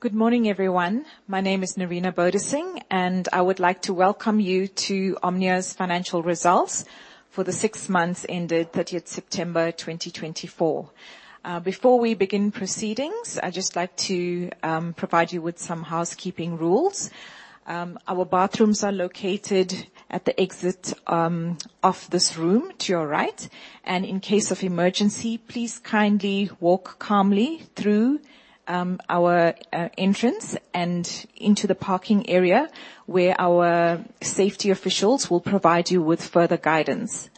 Good morning, everyone. My name is Nerina Bodasing, and I would like to welcome you to Omnia's financial results for the six months ended 30th September 2024. Before we begin proceedings, I'd just like to provide you with some housekeeping rules. Our bathrooms are located at the exit of this room to your right, and in case of emergency, please kindly walk calmly through our entrance and into the parking area where our safety officials will provide you with further guidance.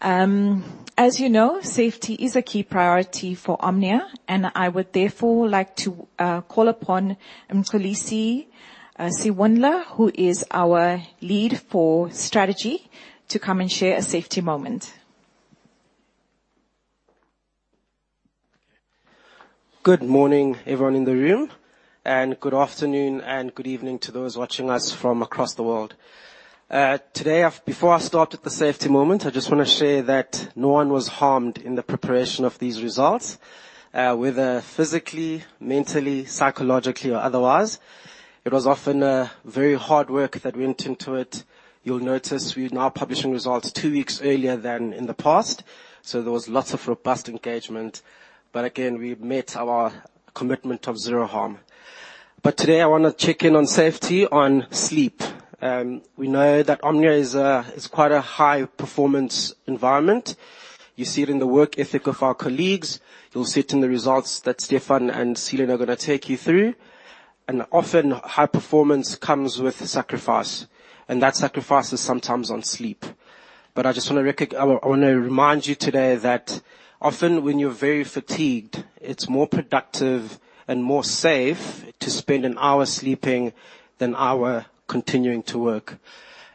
As you know, safety is a key priority for Omnia, and I would therefore like to call upon Mxolisi Siwundla, who is our lead for strategy, to come and share a safety moment. Good morning, everyone in the room, and good afternoon and good evening to those watching us from across the world. Before I start with the safety moment, I just want to share that no one was harmed in the preparation of these results, whether physically, mentally, psychologically, or otherwise. It was often very hard work that went into it. You'll notice we're now publishing results two weeks earlier than in the past, so there was lots of robust engagement. But again, we met our commitment of zero harm. But today, I want to check in on safety, on sleep. We know that Omnia is quite a high-performance environment. You see it in the work ethic of our colleagues. You'll see it in the results that Stephan and Seelan are going to take you through. And often, high performance comes with sacrifice, and that sacrifice is sometimes on sleep. But I just want to remind you today that often, when you're very fatigued, it's more productive and more safe to spend an hour sleeping than an hour continuing to work.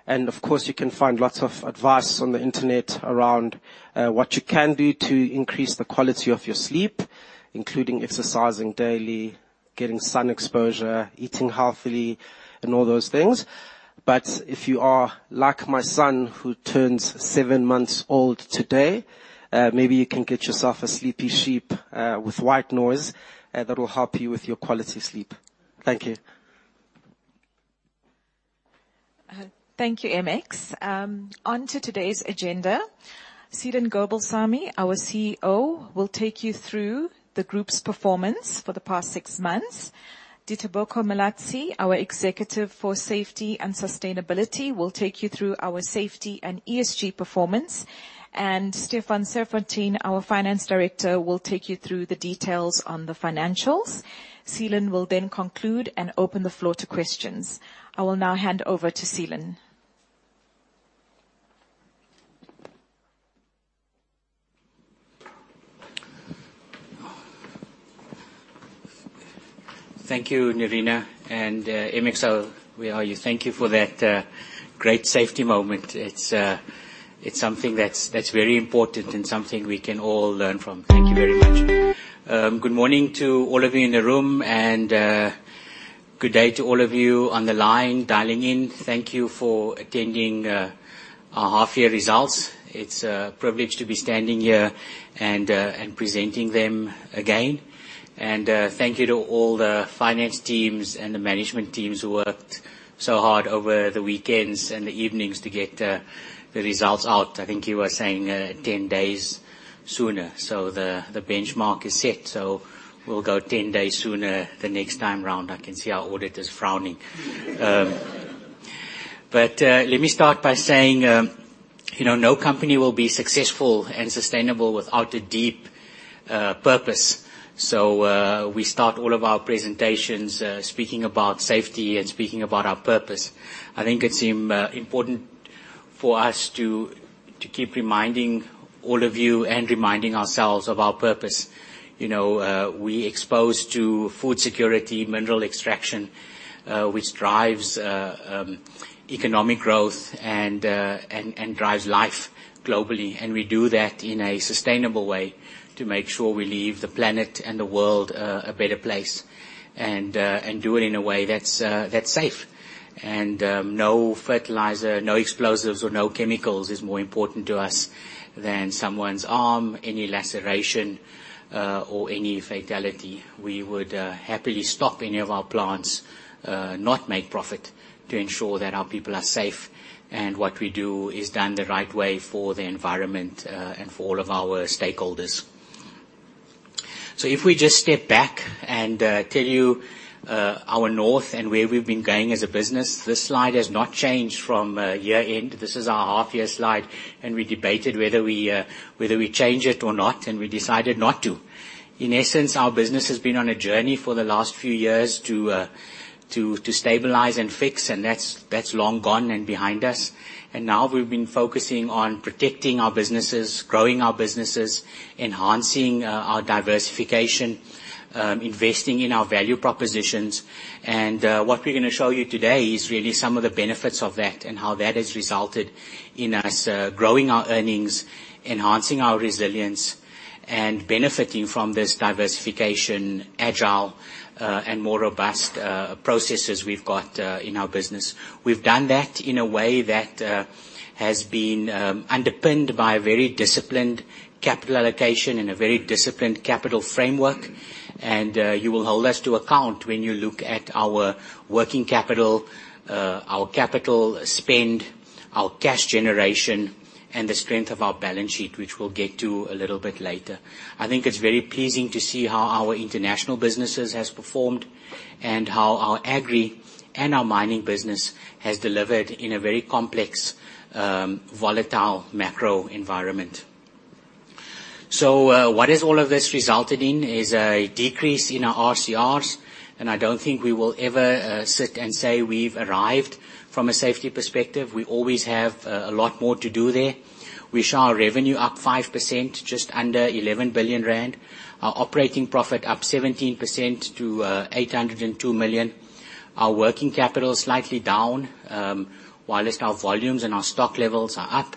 And of course, you can find lots of advice on the internet around what you can do to increase the quality of your sleep, including exercising daily, getting sun exposure, eating healthily, and all those things. But if you are like my son, who turns seven months old today, maybe you can get yourself a sleepy sheep with white noise that will help you with your quality sleep. Thank you. Thank you, Mx. On to today's agenda. Seelan Gobalsamy, our CEO, will take you through the group's performance for the past six months. Ditebogo Malatsi, our Executive for Safety and Sustainability, will take you through our safety and ESG performance. And Stephan Serfontein, our Finance Director, will take you through the details on the financials. Seelan will then conclude and open the floor to questions. I will now hand over to Seelan. Thank you, Nerina and Mx. We owe you a thank you for that great safety moment. It's something that's very important and something we can all learn from. Thank you very much. Good morning to all of you in the room, and good day to all of you on the line dialing in. Thank you for attending our half-year results. It's a privilege to be standing here and presenting them again and thank you to all the finance teams and the management teams who worked so hard over the weekends and the evenings to get the results out. I think you were saying 10 days sooner, so the benchmark is set, so we'll go 10 days sooner the next time round. I can see our auditors frowning, but let me start by saying no company will be successful and sustainable without a deep purpose. So we start all of our presentations speaking about safety and speaking about our purpose. I think it seemed important for us to keep reminding all of you and reminding ourselves of our purpose. We aspire to food security, mineral extraction, which drives economic growth and drives life globally. And we do that in a sustainable way to make sure we leave the planet and the world a better place and do it in a way that's safe. And no fertilizer, no explosives, or no chemicals is more important to us than someone's harm, any laceration, or any fatality. We would happily stop any of our plants, not make profit, to ensure that our people are safe and what we do is done the right way for the environment and for all of our stakeholders. So if we just step back and tell you our north and where we've been going as a business, this slide has not changed from year-end. This is our half-year slide, and we debated whether we change it or not, and we decided not to. In essence, our business has been on a journey for the last few years to stabilize and fix, and that's long gone and behind us. And now we've been focusing on protecting our businesses, growing our businesses, enhancing our diversification, investing in our value propositions. And what we're going to show you today is really some of the benefits of that and how that has resulted in us growing our earnings, enhancing our resilience, and benefiting from this diversification, agile, and more robust processes we've got in our business. We've done that in a way that has been underpinned by a very disciplined capital allocation and a very disciplined capital framework. You will hold us to account when you look at our working capital, our capital spend, our cash generation, and the strength of our balance sheet, which we'll get to a little bit later. I think it's very pleasing to see how our international businesses have performed and how our Agri and our Mining business have delivered in a very complex, volatile macro environment. What has all of this resulted in is a decrease in our RCRs, and I don't think we will ever sit and say we've arrived from a safety perspective. We always have a lot more to do there. We saw our revenue up 5%, just under 11 billion rand. Our operating profit up 17% to 802 million. Our working capital slightly down, while our volumes and our stock levels are up,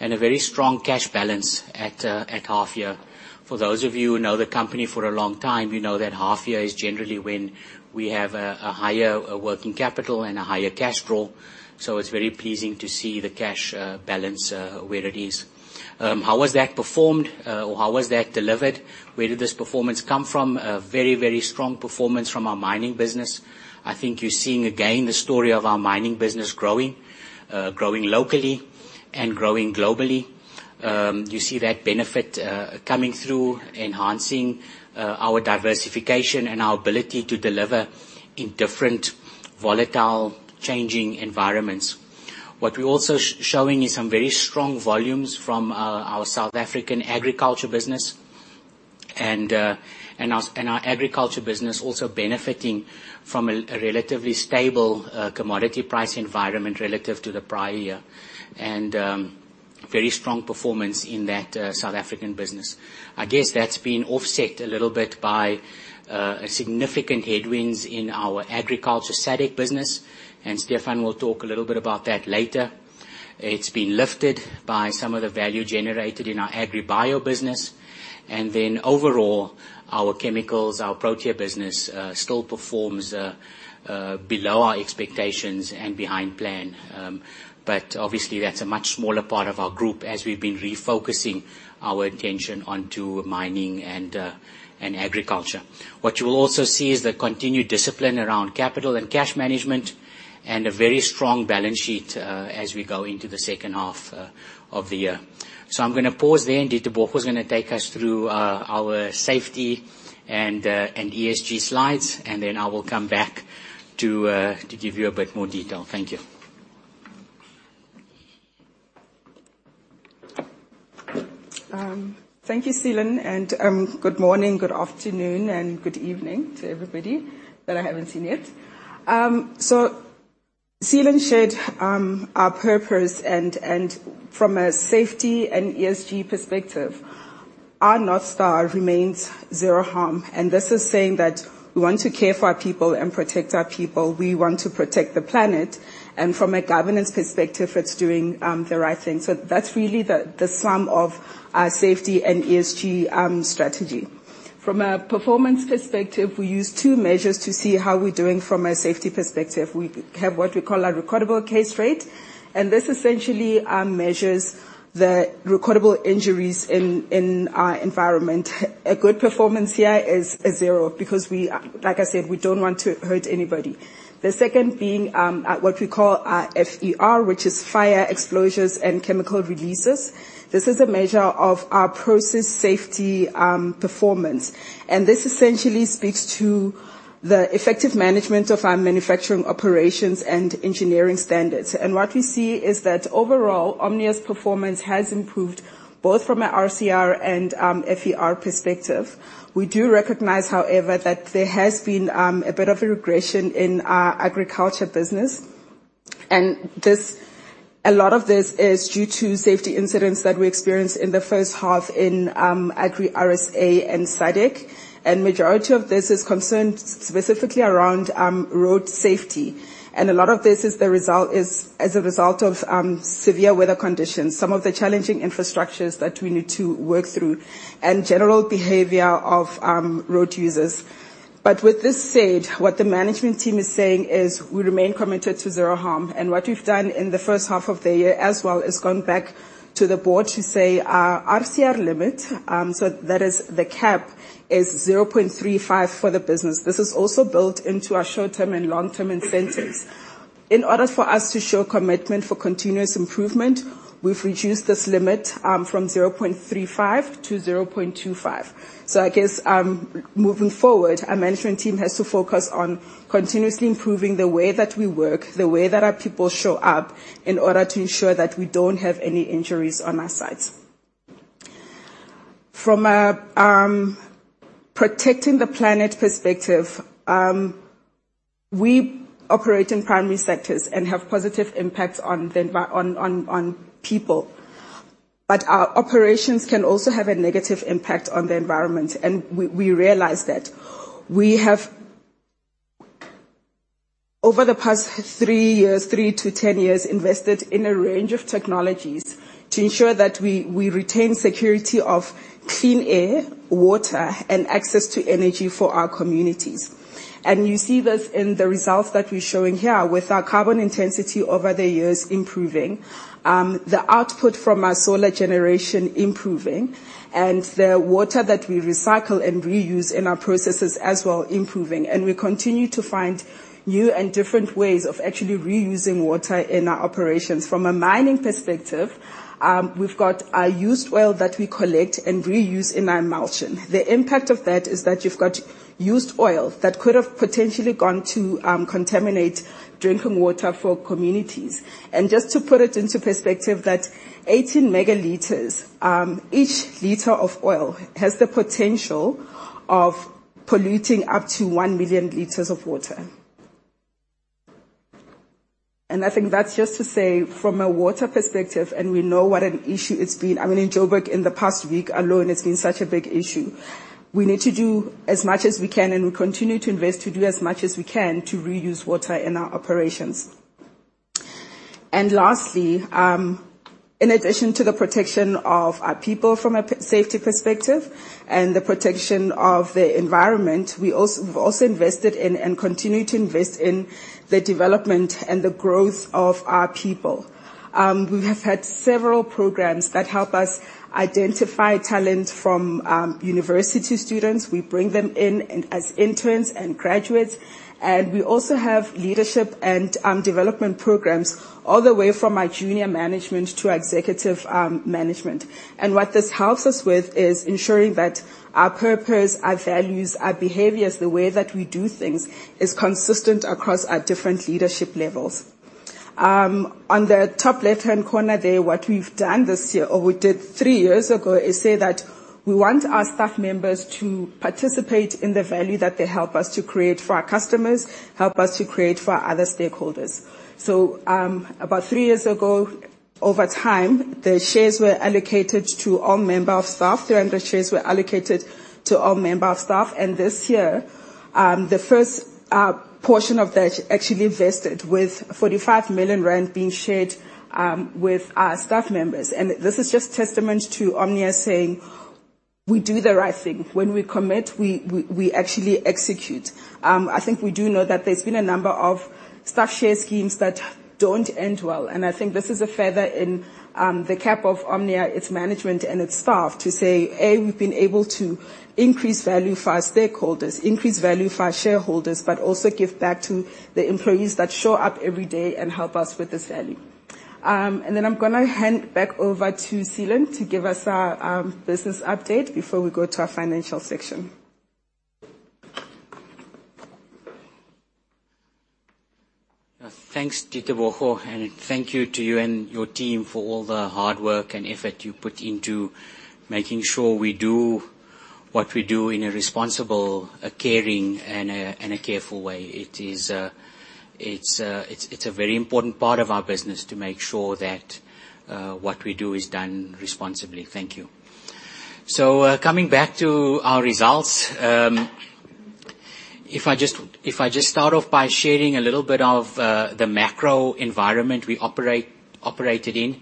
and a very strong cash balance at half-year. For those of you who know the company for a long time, you know that half-year is generally when we have a higher working capital and a higher cash draw. So it's very pleasing to see the cash balance where it is. How was that performed, or how was that delivered? Where did this performance come from? A very, very strong performance from our Mining business. I think you're seeing again the story of our Mining business growing, growing locally and growing globally. You see that benefit coming through, enhancing our diversification and our ability to deliver in different volatile, changing environments. What we're also showing is some very strong volumes from our South African agriculture business, and our agriculture business also benefiting from a relatively stable commodity price environment relative to the prior year. Very strong performance in that South African business. I guess that's been offset a little bit by significant headwinds in our agriculture SADC business, and Stephan will talk a little bit about that later. It's been lifted by some of the value generated in our AgriBio business. Overall, our Chemicals, our Protea business still performs below our expectations and behind plan. Obviously, that's a much smaller part of our group as we've been refocusing our attention onto mining and agriculture. What you will also see is the continued discipline around capital and cash management and a very strong balance sheet as we go into the second half of the year. So I'm going to pause there. Ditebogo is going to take us through our safety and ESG slides, and then I will come back to give you a bit more detail. Thank you. Thank you, Seelan. And good morning, good afternoon, and good evening to everybody that I haven't seen yet. So Seelan shared our purpose, and from a safety and ESG perspective, our North Star remains zero harm. And this is saying that we want to care for our people and protect our people. We want to protect the planet. And from a governance perspective, it's doing the right thing. So that's really the sum of our safety and ESG strategy. From a performance perspective, we use two measures to see how we're doing from a safety perspective. We have what we call our recordable case rate, and this essentially measures the recordable injuries in our environment. A good performance here is zero because, like I said, we don't want to hurt anybody. The second being what we call our FER, which is fires, explosions, and releases. This is a measure of our process safety performance. This essentially speaks to the effective management of our manufacturing operations and engineering standards. What we see is that overall, Omnia's performance has improved both from an RCR and FER perspective. We do recognize, however, that there has been a bit of a regression in our agriculture business. A lot of this is due to safety incidents that we experienced in the first half in Agri RSA and SADC. The majority of this is concerned specifically around road safety. A lot of this is the result of severe weather conditions, some of the challenging infrastructures that we need to work through, and general behavior of road users. With this said, what the management team is saying is we remain committed to zero harm. And what we've done in the first half of the year as well is gone back to the board to say our RCR limit, so that is the cap, is 0.35 for the business. This is also built into our short-term and long-term incentives. In order for us to show commitment for continuous improvement, we've reduced this limit from 0.35 to 0.25. So I guess moving forward, our management team has to focus on continuously improving the way that we work, the way that our people show up in order to ensure that we don't have any injuries on our sites. From a protecting the planet perspective, we operate in primary sectors and have positive impacts on people. But our operations can also have a negative impact on the environment, and we realize that. We have, over the past three years, three to 10 years, invested in a range of technologies to ensure that we retain security of clean air, water, and access to energy for our communities, and you see this in the results that we're showing here with our carbon intensity over the years improving, the output from our solar generation improving, and the water that we recycle and reuse in our processes as well improving, and we continue to find new and different ways of actually reusing water in our operations. From a mining perspective, we've got our used oil that we collect and reuse in our mulching. The impact of that is that you've got used oil that could have potentially gone to contaminate drinking water for communities. Just to put it into perspective, that 18 ML, each liter of oil, has the potential of polluting up to 1 million L of water. I think that's just to say, from a water perspective, and we know what an issue it's been. I mean, in Joburg, in the past week alone, it's been such a big issue. We need to do as much as we can, and we continue to invest to do as much as we can to reuse water in our operations. Lastly, in addition to the protection of our people from a safety perspective and the protection of the environment, we've also invested in and continue to invest in the development and the growth of our people. We have had several programs that help us identify talent from university students. We bring them in as interns and graduates. We also have leadership and development programs all the way from our junior management to executive management. What this helps us with is ensuring that our purpose, our values, our behaviors, the way that we do things is consistent across our different leadership levels. On the top left-hand corner there, what we've done this year, or we did three years ago, is say that we want our staff members to participate in the value that they help us to create for our customers, help us to create for other stakeholders. About three years ago, over time, the shares were allocated to all members of staff. The rand shares were allocated to all members of staff. This year, the first portion of that actually vested with 45 million rand being shared with our staff members. And this is just testament to Omnia saying, "We do the right thing. When we commit, we actually execute." I think we do know that there's been a number of staff share schemes that don't end well. And I think this is a feather in the cap of Omnia, its management and its staff, to say, "A, we've been able to increase value for our stakeholders, increase value for our shareholders, but also give back to the employees that show up every day and help us with this value." And then I'm going to hand back over to Seelan to give us our business update before we go to our financial section. Thanks, Ditebogo, and thank you to you and your team for all the hard work and effort you put into making sure we do what we do in a responsible, a caring, and a careful way. It's a very important part of our business to make sure that what we do is done responsibly. Thank you. So coming back to our results, if I just start off by sharing a little bit of the macro environment we operated in,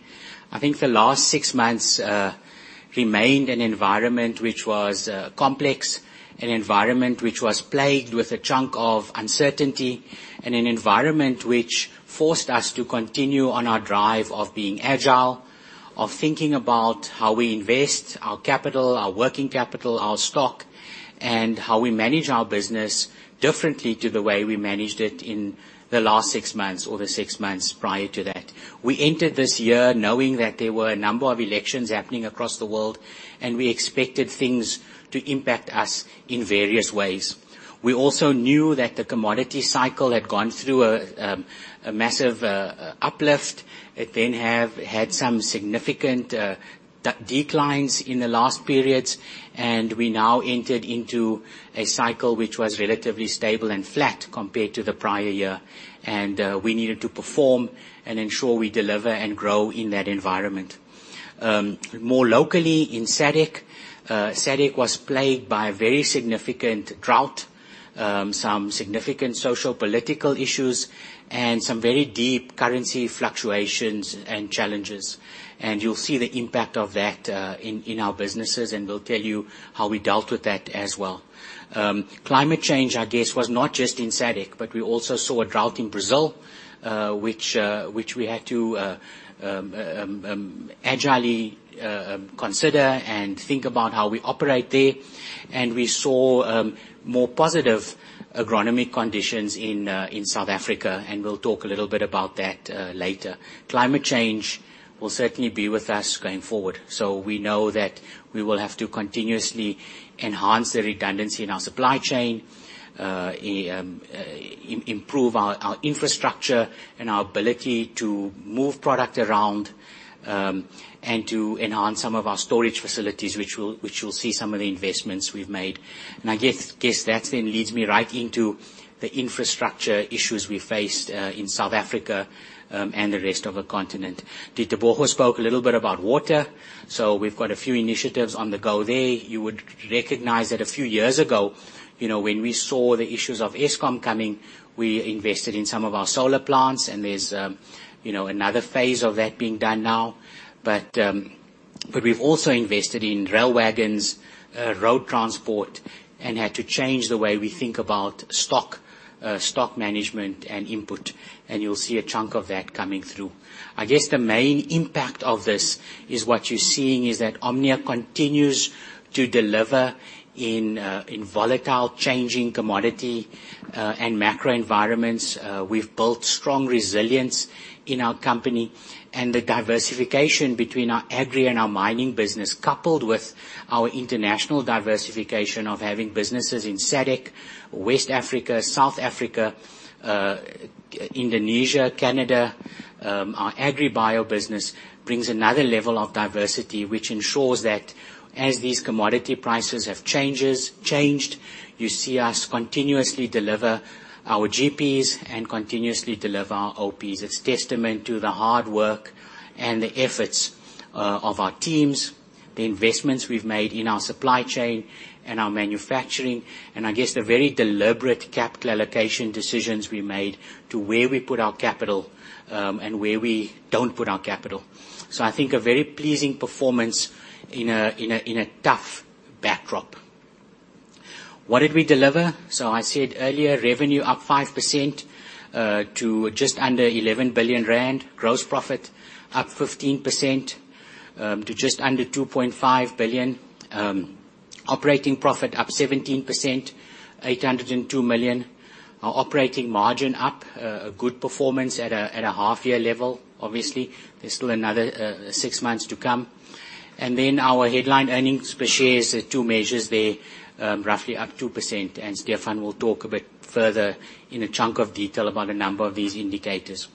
I think the last six months remained an environment which was complex, an environment which was plagued with a chunk of uncertainty, and an environment which forced us to continue on our drive of being agile, of thinking about how we invest our capital, our working capital, our stock, and how we manage our business differently to the way we managed it in the last six months or the six months prior to that. We entered this year knowing that there were a number of elections happening across the world, and we expected things to impact us in various ways. We also knew that the commodity cycle had gone through a massive uplift. It then had some significant declines in the last periods, and we now entered into a cycle which was relatively stable and flat compared to the prior year, and we needed to perform and ensure we deliver and grow in that environment. More locally in SADC, SADC was plagued by a very significant drought, some significant social-political issues, and some very deep currency fluctuations and challenges, and you'll see the impact of that in our businesses, and we'll tell you how we dealt with that as well. Climate change, I guess, was not just in SADC, but we also saw a drought in Brazil, which we had to agilely consider and think about how we operate there, and we saw more positive agronomic conditions in South Africa, and we'll talk a little bit about that later. Climate change will certainly be with us going forward. So we know that we will have to continuously enhance the redundancy in our supply chain, improve our infrastructure and our ability to move product around, and to enhance some of our storage facilities, which you'll see some of the investments we've made. And I guess that then leads me right into the infrastructure issues we faced in South Africa and the rest of the continent. Ditebogo spoke a little bit about water. So we've got a few initiatives on the go there. You would recognize that a few years ago, when we saw the issues of Eskom coming, we invested in some of our solar plants, and there's another phase of that being done now. But we've also invested in rail wagons, road transport, and had to change the way we think about stock management and input. And you'll see a chunk of that coming through. I guess the main impact of this is what you're seeing is that Omnia continues to deliver in volatile, changing commodity and macro environments. We've built strong resilience in our company. And the diversification between our agri and our Mining business, coupled with our international diversification of having businesses in SADC, West Africa, South Africa, Indonesia, Canada, our AgriBio business brings another level of diversity, which ensures that as these commodity prices have changed, you see us continuously deliver our GPs and continuously deliver our OPs. It's testament to the hard work and the efforts of our teams, the investments we've made in our supply chain and our manufacturing, and I guess the very deliberate capital allocation decisions we made to where we put our capital and where we don't put our capital. So I think a very pleasing performance in a tough backdrop. What did we deliver? I said earlier, revenue up 5% to just under 11 billion rand, gross profit up 15% to just under 2.5 billion, operating profit up 17% to 802 million. Our operating margin up, a good performance at a half-year level, obviously. There's still another six months to come. Our headline earnings per share is two measures there, roughly up 2%. Stephan will talk a bit further in a chunk of detail about a number of these indicators.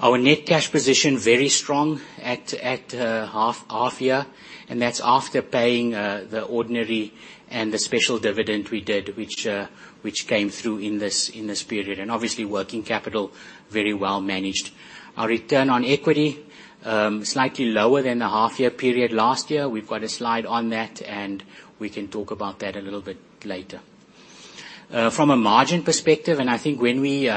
Our net cash position very strong at half-year, and that's after paying the ordinary and the special dividend we did, which came through in this period. Working capital very well managed. Our return on equity, slightly lower than the half-year period last year. We've got a slide on that, and we can talk about that a little bit later. From a margin perspective, and I think when we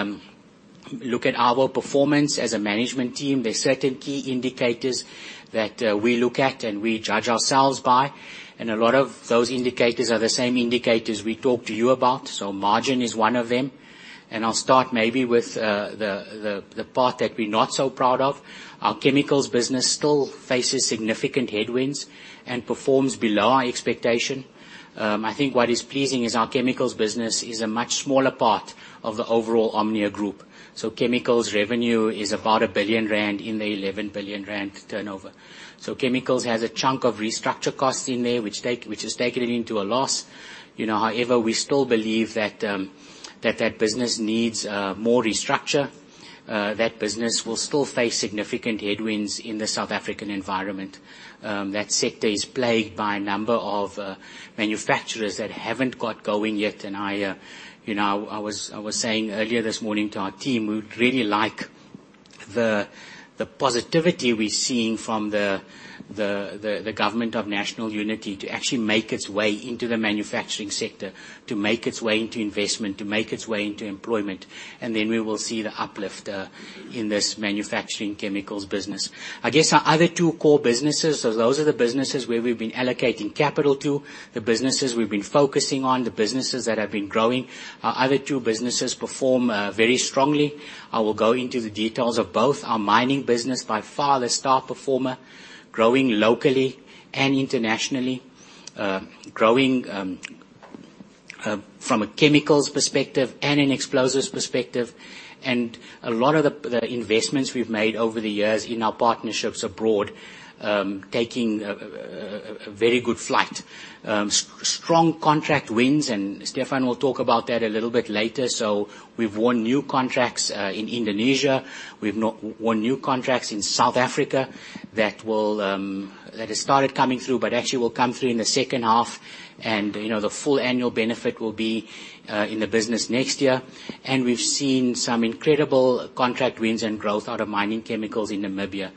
look at our performance as a management team, there's certain key indicators that we look at and we judge ourselves by. And a lot of those indicators are the same indicators we talked to you about. So margin is one of them. And I'll start maybe with the part that we're not so proud of. Our Chemicals business still faces significant headwinds and performs below our expectation. I think what is pleasing is our Chemicals business is a much smaller part of the overall Omnia Group. So Chemicals revenue is about 1 billion rand in the 11 billion rand turnover. So Chemicals has a chunk of restructure costs in there, which is taken into a loss. However, we still believe that that business needs more restructure. That business will still face significant headwinds in the South African environment. That sector is plagued by a number of manufacturers that haven't got going yet, and I was saying earlier this morning to our team, we would really like the positivity we're seeing from the government of national unity to actually make its way into the manufacturing sector, to make its way into investment, to make its way into employment, and then we will see the uplift in this manufacturing Chemicals business. I guess our other two core businesses, so those are the businesses where we've been allocating capital to, the businesses we've been focusing on, the businesses that have been growing. Our other two businesses perform very strongly. I will go into the details of both. Our Mining business, by far, the star performer, growing locally and internationally, growing from a chemicals perspective and an explosives perspective. And a lot of the investments we've made over the years in our partnerships abroad taking a very good flight. Strong contract wins, and Stephan will talk about that a little bit later. So we've won new contracts in Indonesia. We've won new contracts in South Africa that have started coming through, but actually will come through in the second half, and the full annual benefit will be in the business next year. And we've seen some incredible contract wins and growth out of mining chemicals in Namibia.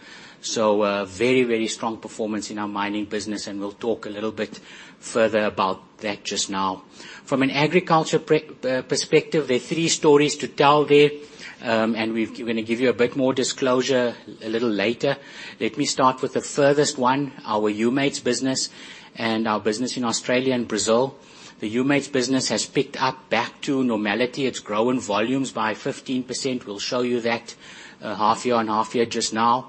So very, very strong performance in our Mining business, and we'll talk a little bit further about that just now. From an agriculture perspective, there are three stories to tell there, and we're going to give you a bit more disclosure a little later. Let me start with the furthest one, our humates business and our business in Australia and Brazil. The humates business has picked up back to normality. It's grown in volumes by 15%. We'll show you that half-year on half-year just now.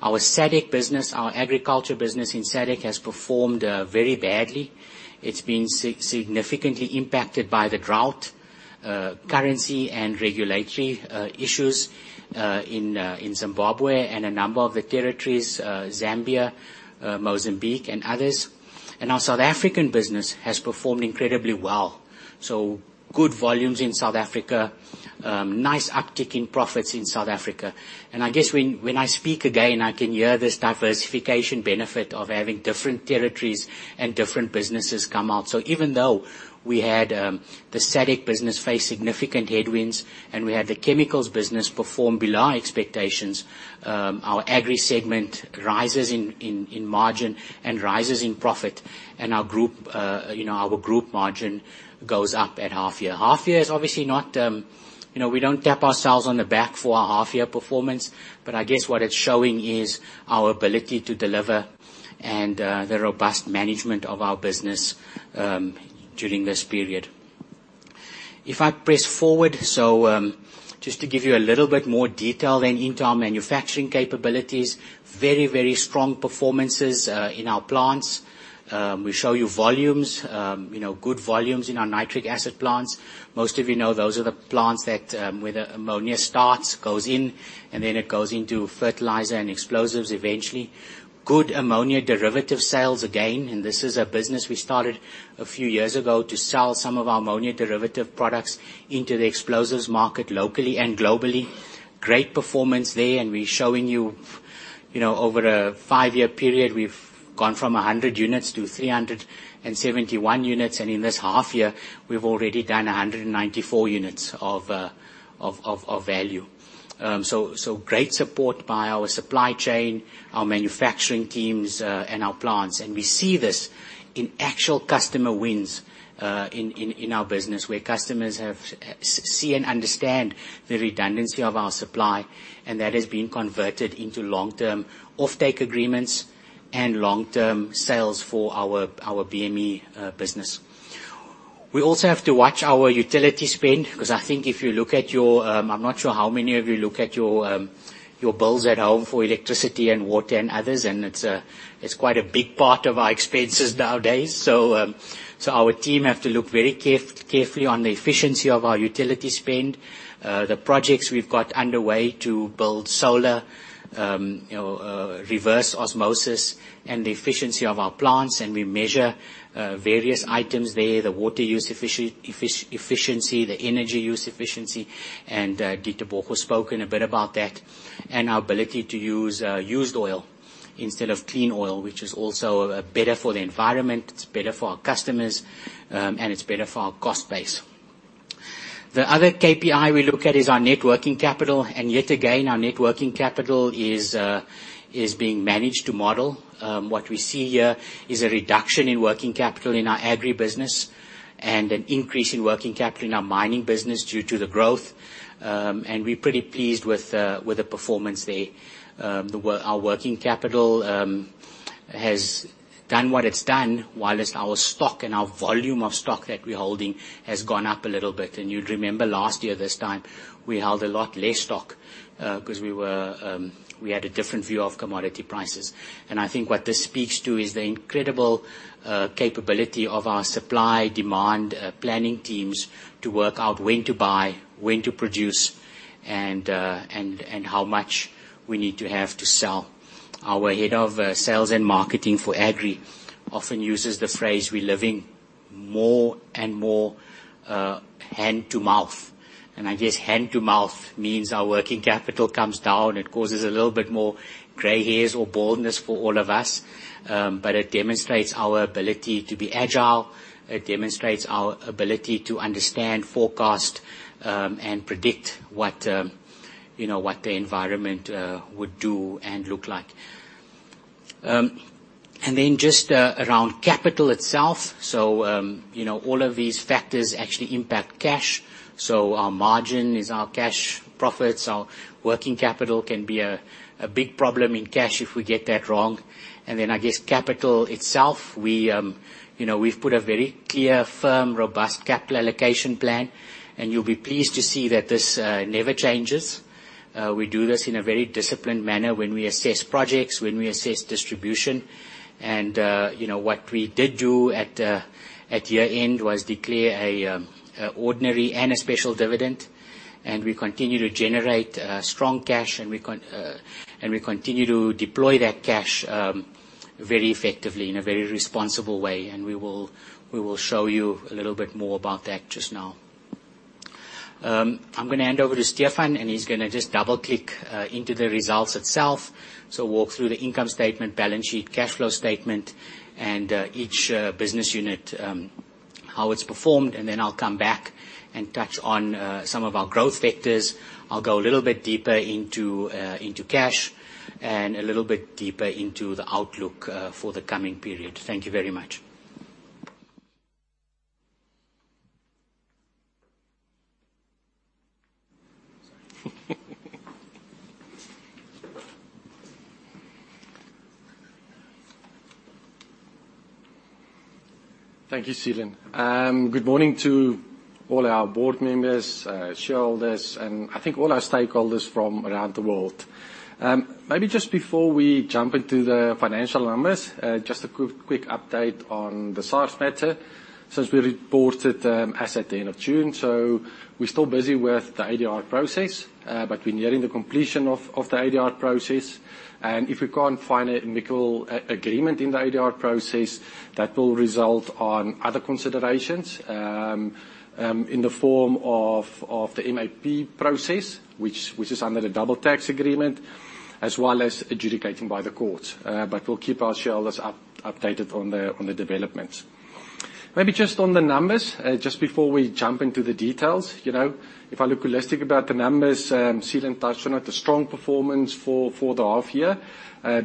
Our SADC business, our agriculture business in SADC has performed very badly. It's been significantly impacted by the drought, currency, and regulatory issues in Zimbabwe and a number of the territories, Zambia, Mozambique, and others, and our South African business has performed incredibly well, so good volumes in South Africa, nice uptick in profits in South Africa. And I guess when I speak again, I can hear this diversification benefit of having different territories and different businesses come out, so even though we had the SADC business face significant headwinds and we had the Chemicals business perform below expectations, our Agri segment rises in margin and rises in profit, and our group margin goes up at half-year. Half-year is obviously not. We don't tap ourselves on the back for our half-year performance, but I guess what it's showing is our ability to deliver and the robust management of our business during this period. If I press forward, so just to give you a little bit more detail then into our manufacturing capabilities, very, very strong performances in our plants. We show you volumes, good volumes in our nitric acid plants. Most of you know those are the plants where the ammonia starts, goes in, and then it goes into fertilizer and explosives eventually. Good ammonia derivative sales again, and this is a business we started a few years ago to sell some of our ammonia derivative products into the explosives market locally and globally. Great performance there, and we're showing you over a five-year period, we've gone from 100 units-371 units, and in this half-year, we've already done 194 units of value. So great support by our supply chain, our manufacturing teams, and our plants. And we see this in actual customer wins in our business where customers see and understand the redundancy of our supply, and that has been converted into long-term offtake agreements and long-term sales for our BME business. We also have to watch our utility spend because I think if you look at your, I'm not sure how many of you look at your bills at home for electricity and water and others, and it's quite a big part of our expenses nowadays. So our team have to look very carefully on the efficiency of our utility spend, the projects we've got underway to build solar, reverse osmosis, and the efficiency of our plants, and we measure various items there, the water use efficiency, the energy use efficiency, and Ditebogo spoke in a bit about that, and our ability to use used oil instead of clean oil, which is also better for the environment, it's better for our customers, and it's better for our cost base. The other KPI we look at is our net working capital, and yet again, our net working capital is being managed to model. What we see here is a reduction in working capital in our Agri business and an increase in working capital in our Mining business due to the growth, and we're pretty pleased with the performance there. Our working capital has done what it's done, while our stock and our volume of stock that we're holding has gone up a little bit. And you'd remember last year this time, we held a lot less stock because we had a different view of commodity prices. And I think what this speaks to is the incredible capability of our supply demand planning teams to work out when to buy, when to produce, and how much we need to have to sell. Our head of sales and marketing for Agri often uses the phrase, "We're living more and more hand-to-mouth." And I guess hand-to-mouth means our working capital comes down. It causes a little bit more gray hairs or baldness for all of us, but it demonstrates our ability to be agile. It demonstrates our ability to understand, forecast, and predict what the environment would do and look like. Just around capital itself, so all of these factors actually impact cash. Our margin is our cash profits. Our working capital can be a big problem in cash if we get that wrong. I guess capital itself, we've put a very clear, firm, robust capital allocation plan, and you'll be pleased to see that this never changes. We do this in a very disciplined manner when we assess projects, when we assess distribution. What we did do at year-end was declare an ordinary and a special dividend, and we continue to generate strong cash, and we continue to deploy that cash very effectively in a very responsible way, and we will show you a little bit more about that just now. I'm going to hand over to Stephan, and he's going to just double-click into the results itself. So we'll walk through the income statement, balance sheet, cash flow statement, and each business unit, how it's performed, and then I'll come back and touch on some of our growth factors. I'll go a little bit deeper into cash and a little bit deeper into the outlook for the coming period. Thank you very much. Thank you, Seelan. Good morning to all our board members, shareholders, and I think all our stakeholders from around the world. Maybe just before we jump into the financial numbers, just a quick update on the SARS matter. Since we reported as at the end of June, so we're still busy with the ADR process, but we're nearing the completion of the ADR process, and if we can't find a mutual agreement in the ADR process, that will result in other considerations in the form of the MAP process, which is under the double tax agreement, as well as adjudicating by the courts, but we'll keep our shareholders updated on the developments. Maybe just on the numbers, just before we jump into the details, if I look holistically at the numbers, Seelan touched on it, the strong performance for the half-year,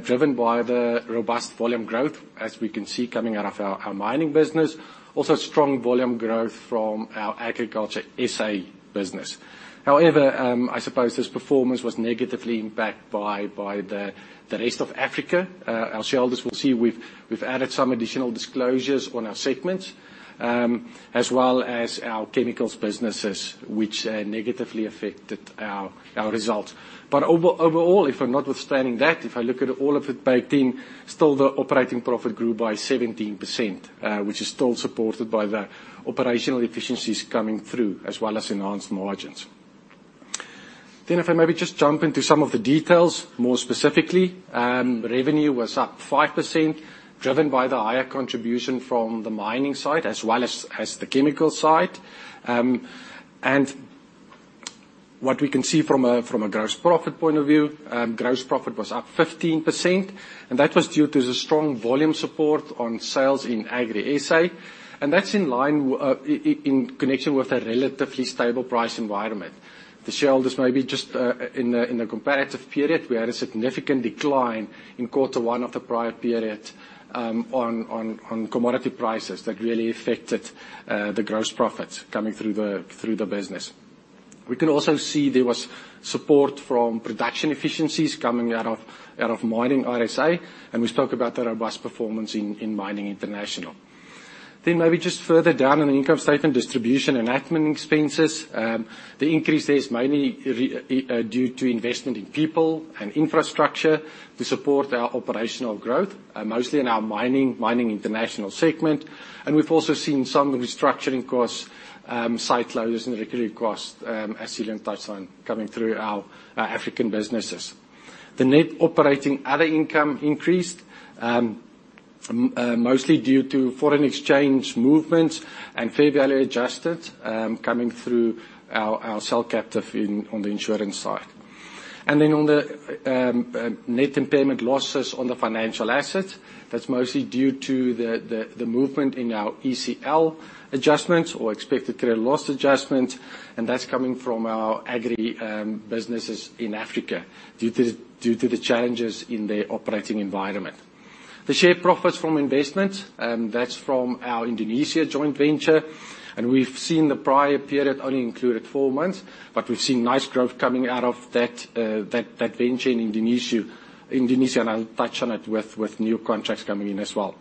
driven by the robust volume growth, as we can see coming out of our Mining business. Also, strong volume growth from our Agriculture SA business. However, I suppose this performance was negatively impacted by the rest of Africa. Our shareholders will see we've added some additional disclosures on our segments, as well as our Chemicals businesses, which negatively affected our results. But overall, notwithstanding that, if I look at all of it baked in, still the operating profit grew by 17%, which is still supported by the operational efficiencies coming through, as well as enhanced margins. Then if I maybe just jump into some of the details more specifically, revenue was up 5%, driven by the higher contribution from the mining side as well as the chemical side. What we can see from a gross profit point of view, gross profit was up 15%, and that was due to the strong volume support on sales in Agri SA, and that's in line in connection with a relatively stable price environment. Shareholders maybe just in the comparative period, we had a significant decline in quarter one of the prior period on commodity prices that really affected the gross profits coming through the business. We can also see there was support from production efficiencies coming out of Mining RSA, and we spoke about the robust performance in Mining International. Then maybe just further down in the income statement, distribution and admin expenses, the increase there is mainly due to investment in people and infrastructure to support our operational growth, mostly in our Mining International segment. And we've also seen some restructuring costs, site loads, and recruiting costs, as Seelan touched on, coming through our African businesses. The net operating other income increased, mostly due to foreign exchange movements and fair value adjustments coming through our cell captive on the insurance side. And then on the net impairment losses on the financial assets, that's mostly due to the movement in our ECL adjustments or expected credit loss adjustments, and that's coming from our Agri businesses in Africa due to the challenges in their operating environment. The shared profits from investments, that's from our Indonesia joint venture, and we've seen the prior period only included four months, but we've seen nice growth coming out of that venture in Indonesia, and I'll touch on it with new contracts coming in as well.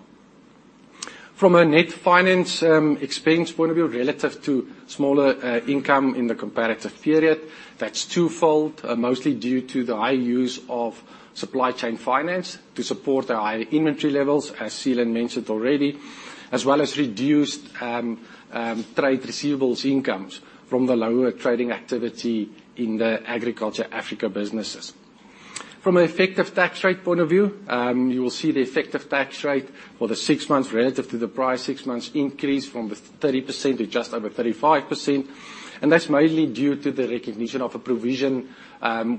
From a net finance expense point of view, relative to smaller income in the comparative period, that's twofold, mostly due to the high use of supply chain finance to support the higher inventory levels, as Seelan mentioned already, as well as reduced trade receivables incomes from the lower trading activity in the agriculture Africa businesses. From an effective tax rate point of view, you will see the effective tax rate for the six months relative to the prior six months increased from 30% to just over 35%, and that's mainly due to the recognition of a provision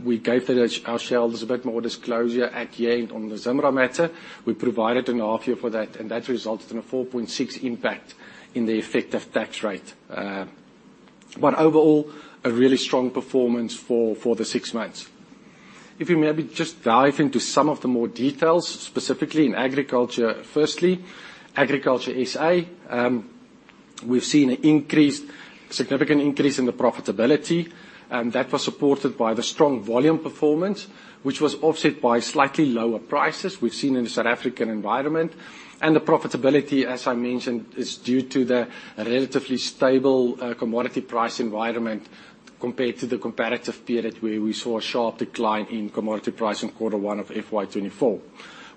we gave to our shareholders a bit more disclosure at the end on the ZIMRA matter. We provided an accrual for that, and that resulted in a 4.6 impact in the effective tax rate. Overall, a really strong performance for the six months. If we maybe just dive into some of the more details, specifically in agriculture firstly, agriculture SA, we've seen a significant increase in the profitability, and that was supported by the strong volume performance, which was offset by slightly lower prices we've seen in the South African environment. The profitability, as I mentioned, is due to the relatively stable commodity price environment compared to the comparative period where we saw a sharp decline in commodity price in quarter one of FY 2024.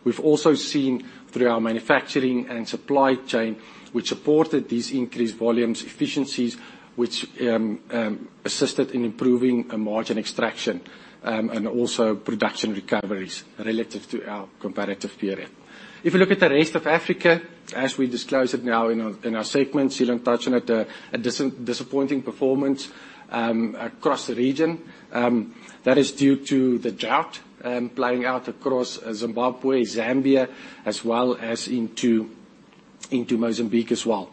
We've also seen, through our manufacturing and supply chain which supported these increased volumes, efficiencies which assisted in improving margin extraction and also production recoveries relative to our comparative period. If you look at the rest of Africa, as we disclose it now in our segment, Seelan touched on it, a disappointing performance across the region. That is due to the drought playing out across Zimbabwe, Zambia, as well as into Mozambique as well.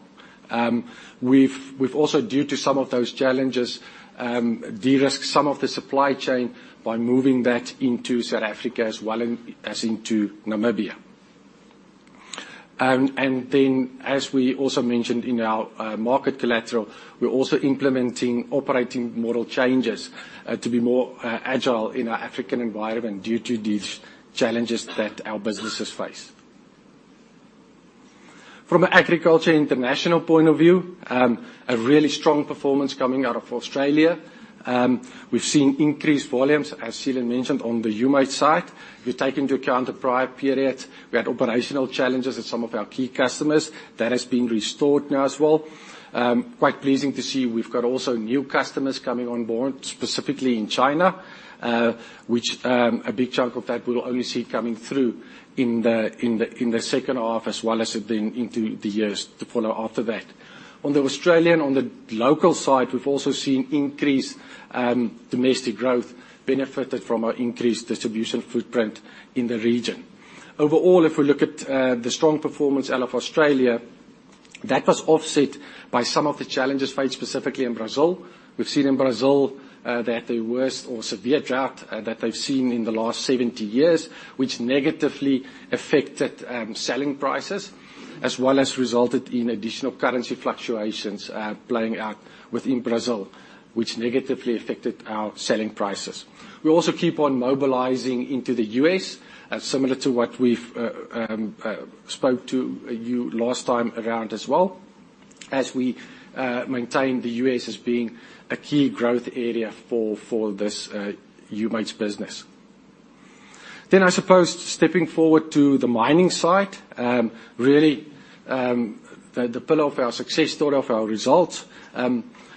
We've also, due to some of those challenges, de-risked some of the supply chain by moving that into South Africa as well as into Namibia. And then, as we also mentioned in our market collateral, we're also implementing operating model changes to be more agile in our African environment due to these challenges that our businesses face. From an Agriculture International point of view, a really strong performance coming out of Australia. We've seen increased volumes, as Seelan mentioned, on the humates side. We've taken into account the prior period. We had operational challenges at some of our key customers. That has been restored now as well. Quite pleasing to see we've got also new customers coming on board, specifically in China, which, a big chunk of that we'll only see coming through in the second half as well as into the years to follow after that. On the Australian and on the local side, we've also seen increased domestic growth, benefited from our increased distribution footprint in the region. Overall, if we look at the strong performance out of Australia, that was offset by some of the challenges faced specifically in Brazil. We've seen in Brazil that the worst or severe drought that they've seen in the last 70 years, which negatively affected selling prices, as well as resulted in additional currency fluctuations playing out within Brazil, which negatively affected our selling prices. We also keep on mobilizing into the U.S., similar to what we've spoke to you last time around as well, as we maintain the U.S. as being a key growth area for this humate business. Then I suppose stepping forward to the mining side, really the pillar of our success, thought of our results.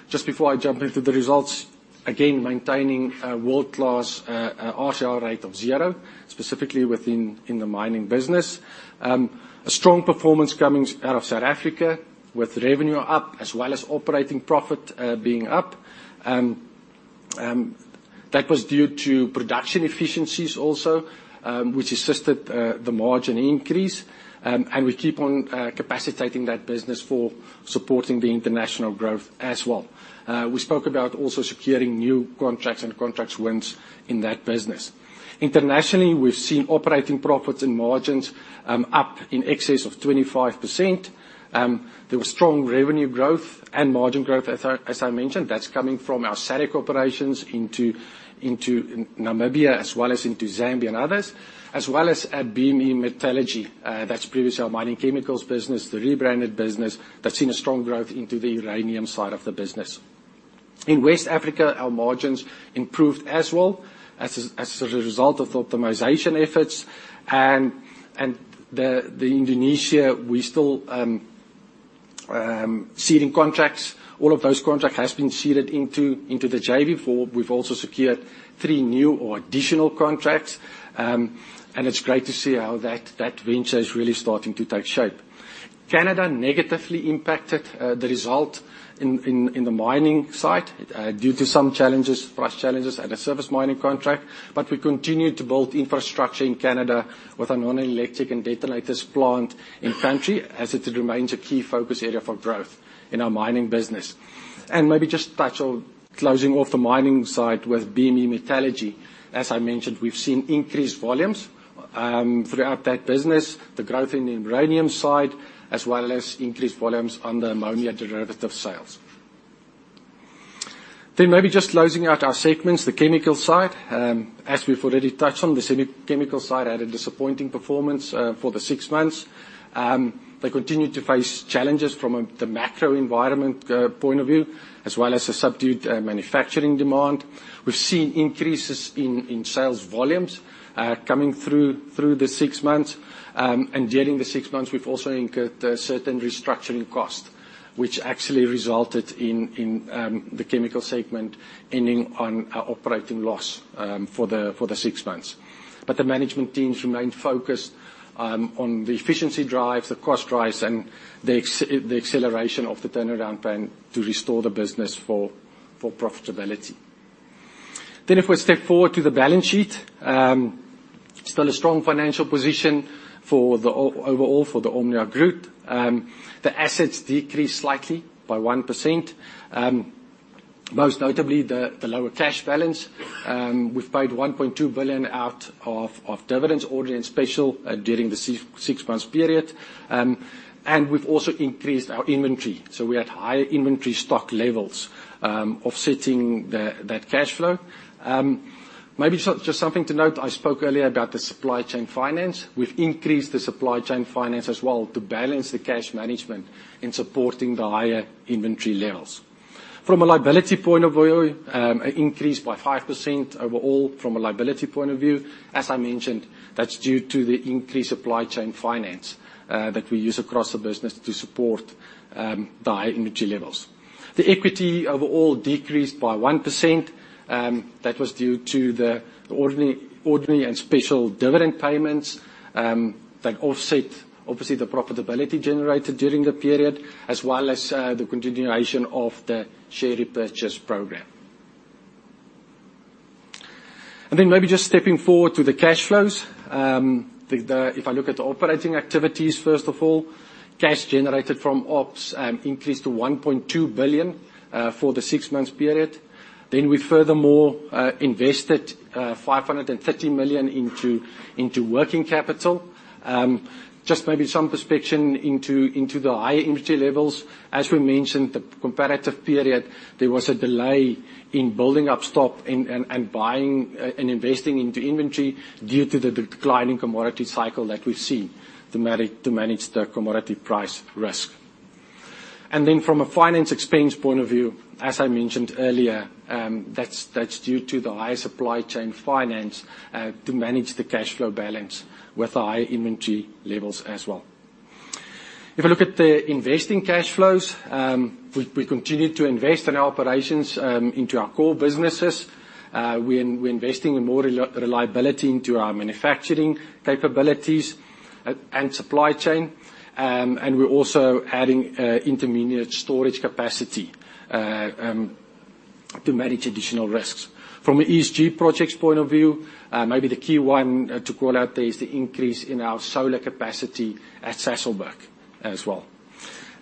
Just before I jump into the results, again, maintaining world-class RTR rate of zero, specifically within the Mining business. A strong performance coming out of South Africa with revenue up, as well as operating profit being up. That was due to production efficiencies also, which assisted the margin increase, and we keep on capacitating that business for supporting the international growth as well. We spoke about also securing new contracts and contract wins in that business. Internationally, we've seen operating profits and margins up in excess of 25%. There was strong revenue growth and margin growth, as I mentioned. That's coming from our SADC operations into Namibia, as well as into Zambia and others, as well as at BME Metallurgy. That's previously our mining chemicals business, the rebranded business. That's seen a strong growth into the uranium side of the business. In West Africa, our margins improved as well as a result of the optimization efforts. In Indonesia, we still securing contracts. All of those contracts have been seeded into the JV. We've also secured three new or additional contracts, and it's great to see how that venture is really starting to take shape. Canada negatively impacted the result in the mining side due to some frost challenges at a surface mining contract, but we continue to build infrastructure in Canada with our non-electric detonators plant in country, as it remains a key focus area for growth in our Mining business and maybe just touch on closing off the mining side with BME Metallurgy. As I mentioned, we've seen increased volumes throughout that business, the growth in the uranium side, as well as increased volumes on the ammonia derivative sales then maybe just closing out our segments, the chemical side. As we've already touched on, the segment Chemicals side had a disappointing performance for the six months. They continue to face challenges from the macro environment point of view, as well as the subdued manufacturing demand. We've seen increases in sales volumes coming through the six months, and during the six months, we've also incurred certain restructuring costs, which actually resulted in the Chemical segment ending on operating loss for the six months. But the management teams remained focused on the efficiency drives, the cost drives, and the acceleration of the turnaround plan to restore the business for profitability. Then if we step forward to the balance sheet, still a strong financial position overall for the Omnia Group. The assets decreased slightly by 1%, most notably the lower cash balance. We've paid 1.2 billion in ordinary and special dividends during the six-month period, and we've also increased our inventory. So we had higher inventory stock levels offsetting that cash flow. Maybe just something to note. I spoke earlier about the supply chain finance. We've increased the supply chain finance as well to balance the cash management in supporting the higher inventory levels. From a liability point of view, an increase by 5% overall from a liability point of view. As I mentioned, that's due to the increased supply chain finance that we use across the business to support the higher inventory levels. The equity overall decreased by 1%. That was due to the ordinary and special dividend payments that offset, obviously, the profitability generated during the period, as well as the continuation of the share repurchase program. And then maybe just stepping forward to the cash flows. If I look at the operating activities, first of all, cash generated from ops increased to 1.2 billion for the six-month period. Then we furthermore invested 530 million into working capital. Just maybe some perspective into the higher inventory levels. As we mentioned, the comparative period, there was a delay in building up stock and buying and investing into inventory due to the declining commodity cycle that we've seen to manage the commodity price risk. Then from a finance expense point of view, as I mentioned earlier, that's due to the higher supply chain finance to manage the cash flow balance with high inventory levels as well. If we look at the investing cash flows, we continue to invest in our operations into our core businesses. We're investing in more reliability into our manufacturing capabilities and supply chain, and we're also adding intermediate storage capacity to manage additional risks. From an ESG projects point of view, maybe the key one to call out there is the increase in our solar capacity at Sasolburg as well.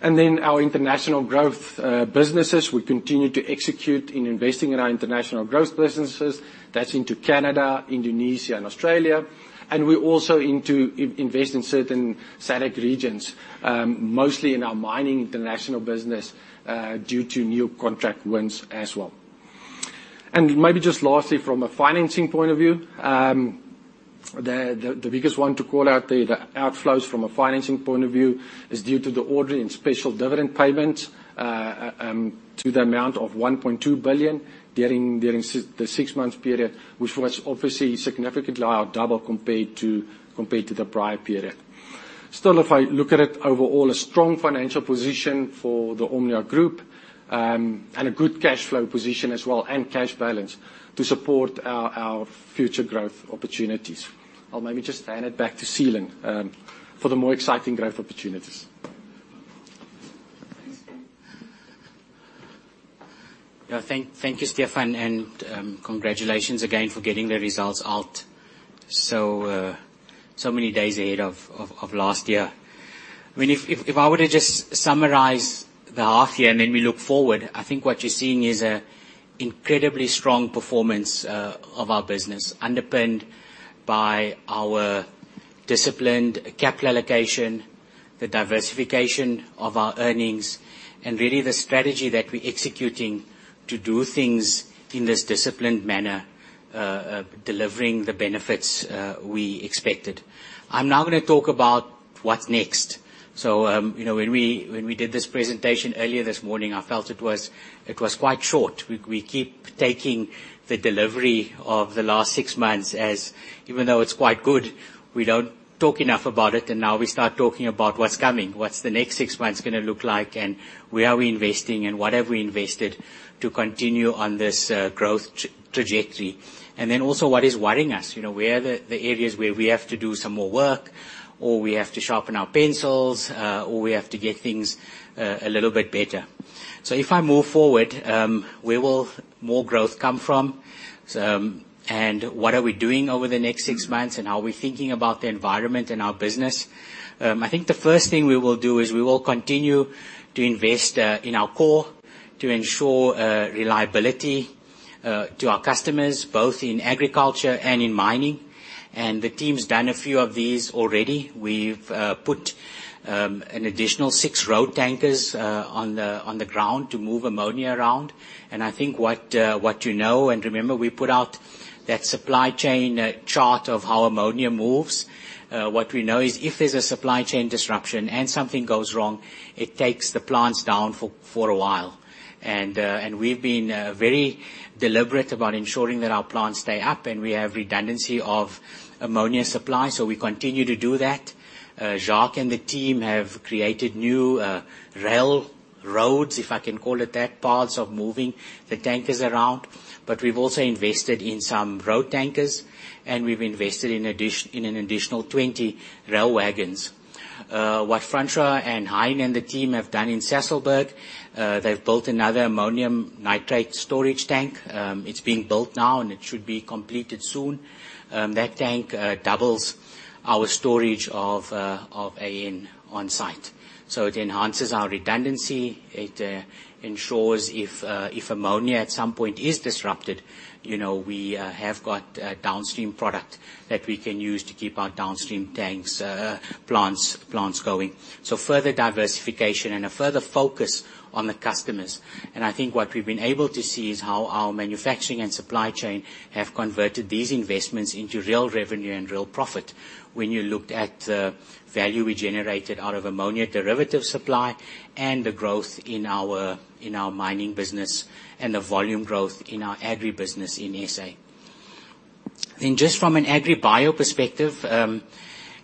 Our international growth businesses, we continue to execute in investing in our international growth businesses. That's into Canada, Indonesia, and Australia. We also invest in certain SADC regions, mostly in our Mining International business due to new contract wins as well. Maybe just lastly, from a financing point of view, the biggest one to call out there, the outflows from a financing point of view, is due to the ordinary and special dividend payments to the amount of 1.2 billion during the six-month period, which was obviously significantly more double compared to the prior period. Still, if I look at it overall, a strong financial position for the Omnia Group and a good cash flow position as well and cash balance to support our future growth opportunities. I'll maybe just hand it back to Seelan for the more exciting growth opportunities. Yeah, thank you, Stephan, and congratulations again for getting the results out so many days ahead of last year. I mean, if I were to just summarize the half year and then we look forward, I think what you're seeing is an incredibly strong performance of our business, underpinned by our disciplined capital allocation, the diversification of our earnings, and really the strategy that we're executing to do things in this disciplined manner, delivering the benefits we expected. I'm now going to talk about what's next, so when we did this presentation earlier this morning, I felt it was quite short. We keep taking the delivery of the last six months as, even though it's quite good, we don't talk enough about it, and now we start talking about what's coming, what's the next six months going to look like, and where are we investing and what have we invested to continue on this growth trajectory, and then also what is worrying us, where are the areas where we have to do some more work, or we have to sharpen our pencils, or we have to get things a little bit better, so if I move forward, where will more growth come from, and what are we doing over the next six months, and how are we thinking about the environment and our business? I think the first thing we will do is we will continue to invest in our core to ensure reliability to our customers, both in agriculture and in mining, and the team's done a few of these already. We've put an additional six road tankers on the ground to move ammonia around, and I think what you know and remember, we put out that supply chain chart of how ammonia moves. What we know is if there's a supply chain disruption and something goes wrong, it takes the plants down for a while, and we've been very deliberate about ensuring that our plants stay up, and we have redundancy of ammonia supply, so we continue to do that. Jacques and the team have created new rail roads, if I can call it that, paths of moving the tankers around. But we've also invested in some road tankers, and we've invested in an additional 20 rail wagons. What Francois and Hein and the team have done in Sasolburg, they've built another ammonium nitrate storage tank. It's being built now, and it should be completed soon. That tank doubles our storage of AN on site. So it enhances our redundancy. It ensures if ammonia at some point is disrupted, we have got downstream product that we can use to keep our downstream plants going. So further diversification and a further focus on the customers. And I think what we've been able to see is how our manufacturing and supply chain have converted these investments into real revenue and real profit when you looked at the value we generated out of ammonia derivative supply and the growth in our Mining business and the volume growth in our agribusiness in SA. Then just from an AgriBio perspective, our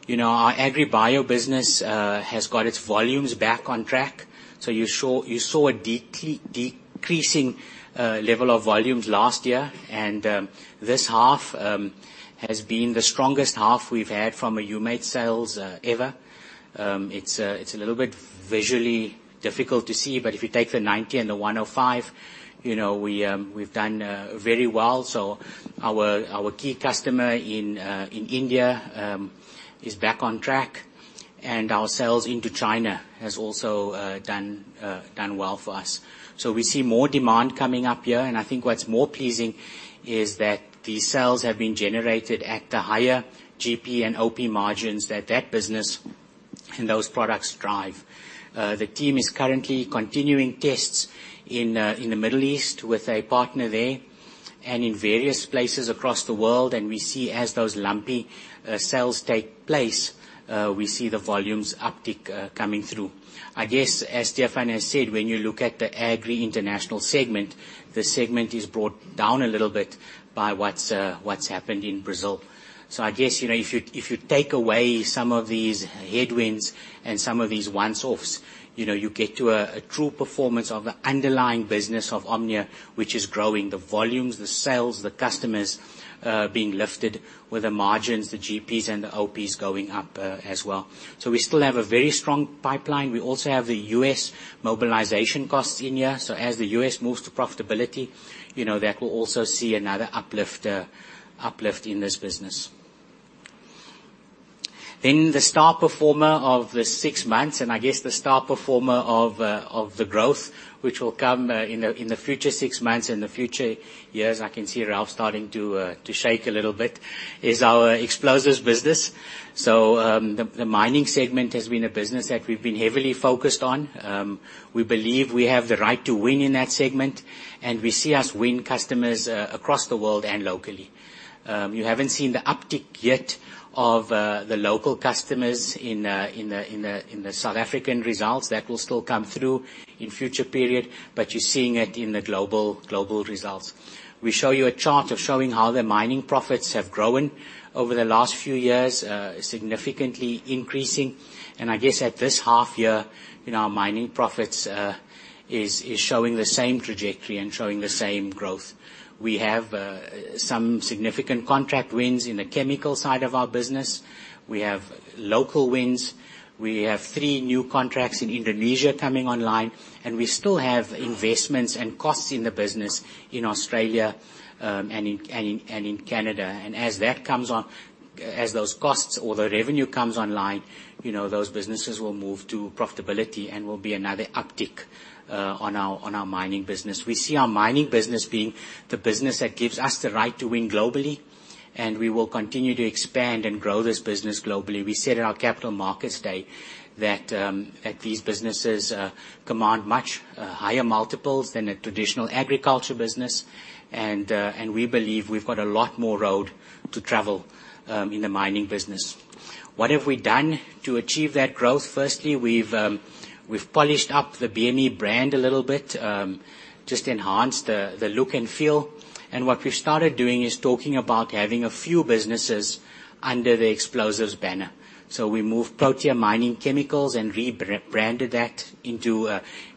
AgriBio business has got its volumes back on track. So you saw a decreasing level of volumes last year, and this half has been the strongest half we've had from a humates sales ever. It's a little bit visually difficult to see, but if you take the 90 and the 105, we've done very well. So our key customer in India is back on track, and our sales into China has also done well for us. So we see more demand coming up here, and I think what's more pleasing is that these sales have been generated at the higher GP and OP margins that that business and those products drive. The team is currently continuing tests in the Middle East with a partner there and in various places across the world, and we see as those lumpy sales take place, we see the volumes uptick coming through. I guess, as Stephan has said, when you look at the Agri International segment, the segment is brought down a little bit by what's happened in Brazil. So I guess if you take away some of these headwinds and some of these once-offs, you get to a true performance of the underlying business of Omnia, which is growing the volumes, the sales, the customers being lifted with the margins, the GPs and the OPs going up as well. So we still have a very strong pipeline. We also have the U.S. mobilization costs in here. So as the U.S. moves to profitability, that will also see another uplift in this business. Then the star performer of the six months, and I guess the star performer of the growth, which will come in the future six months and the future years, I can see Ralf starting to shake a little bit, is our explosives business. So the Mining segment has been a business that we've been heavily focused on. We believe we have the right to win in that segment, and we see us win customers across the world and locally. You haven't seen the uptick yet of the local customers in the South African results. That will still come through in future period, but you're seeing it in the global results. We show you a chart of showing how the mining profits have grown over the last few years, significantly increasing. And I guess at this half year, our mining profits is showing the same trajectory and showing the same growth. We have some significant contract wins in the chemical side of our business. We have local wins. We have three new contracts in Indonesia coming online, and we still have investments and costs in the business in Australia and in Canada, and as those costs or the revenue comes online, those businesses will move to profitability and will be another uptick on our Mining business. We see our Mining business being the business that gives us the right to win globally, and we will continue to expand and grow this business globally. We said in our Capital Markets Day that these businesses command much higher multiples than a traditional agriculture business, and we believe we've got a lot more road to travel in the Mining business. What have we done to achieve that growth? Firstly, we've polished up the BME brand a little bit, just enhanced the look and feel. What we've started doing is talking about having a few businesses under the explosives banner. So we moved Protea Mining Chemicals and rebranded that into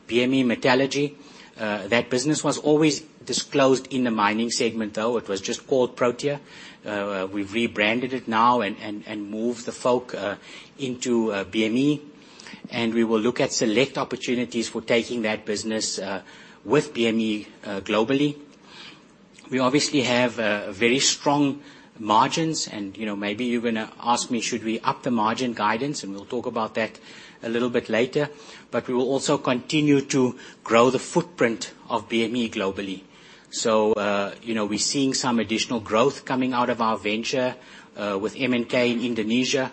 BME Metallurgy. That business was always disclosed in the Mining segment, though. It was just called Protea. We've rebranded it now and moved the folks into BME. We will look at select opportunities for taking that business with BME globally. We obviously have very strong margins, and maybe you're going to ask me, should we up the margin guidance, and we'll talk about that a little bit later. We will also continue to grow the footprint of BME globally. We're seeing some additional growth coming out of our venture with MNK in Indonesia.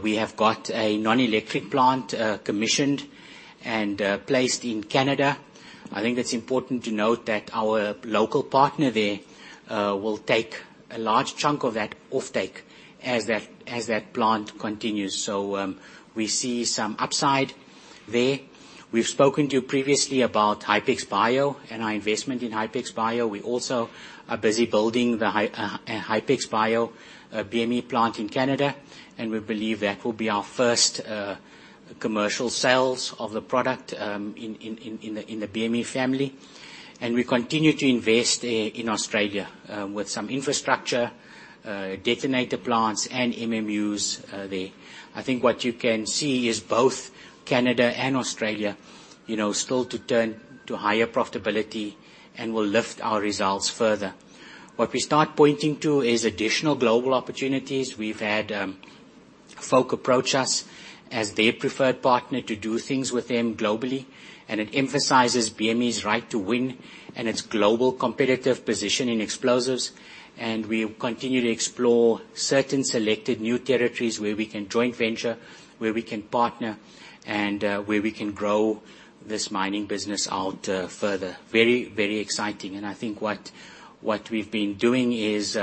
We have got a non-electric plant commissioned and placed in Canada. I think it's important to note that our local partner there will take a large chunk of that offtake as that plant continues, so we see some upside there. We've spoken to you previously about Hypex Bio and our investment in Hypex Bio. We also are busy building the Hypex Bio BME plant in Canada, and we believe that will be our first commercial sales of the product in the BME family, and we continue to invest in Australia with some infrastructure, detonator plants, and MMUs there. I think what you can see is both Canada and Australia still to turn to higher profitability and will lift our results further. What we start pointing to is additional global opportunities. We've had folk approach us as their preferred partner to do things with them globally, and it emphasizes BME's right to win and its global competitive position in explosives. We continue to explore certain selected new territories where we can joint venture, where we can partner, and where we can grow this Mining business out further. Very, very exciting. I think what we've been doing is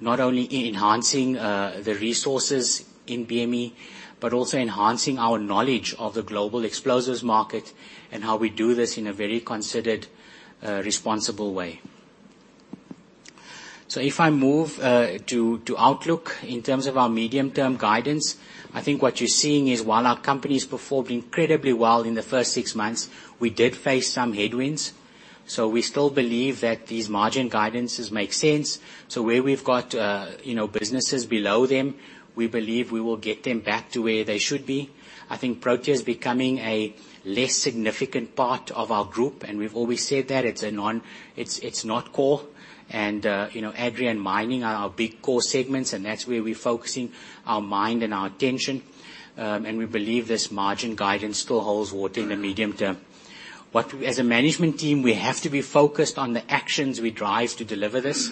not only enhancing the resources in BME, but also enhancing our knowledge of the global explosives market and how we do this in a very considered, responsible way. If I move to Outlook in terms of our medium-term guidance, I think what you're seeing is while our companies performed incredibly well in the first six months, we did face some headwinds. We still believe that these margin guidance make sense. Where we've got businesses below them, we believe we will get them back to where they should be. I think Protea is becoming a less significant part of our group, and we've always said that it's not core. Agri and Mining are our big core segments, and that's where we're focusing our mind and our attention. We believe this margin guidance still holds water in the medium term. As a management team, we have to be focused on the actions we drive to deliver this.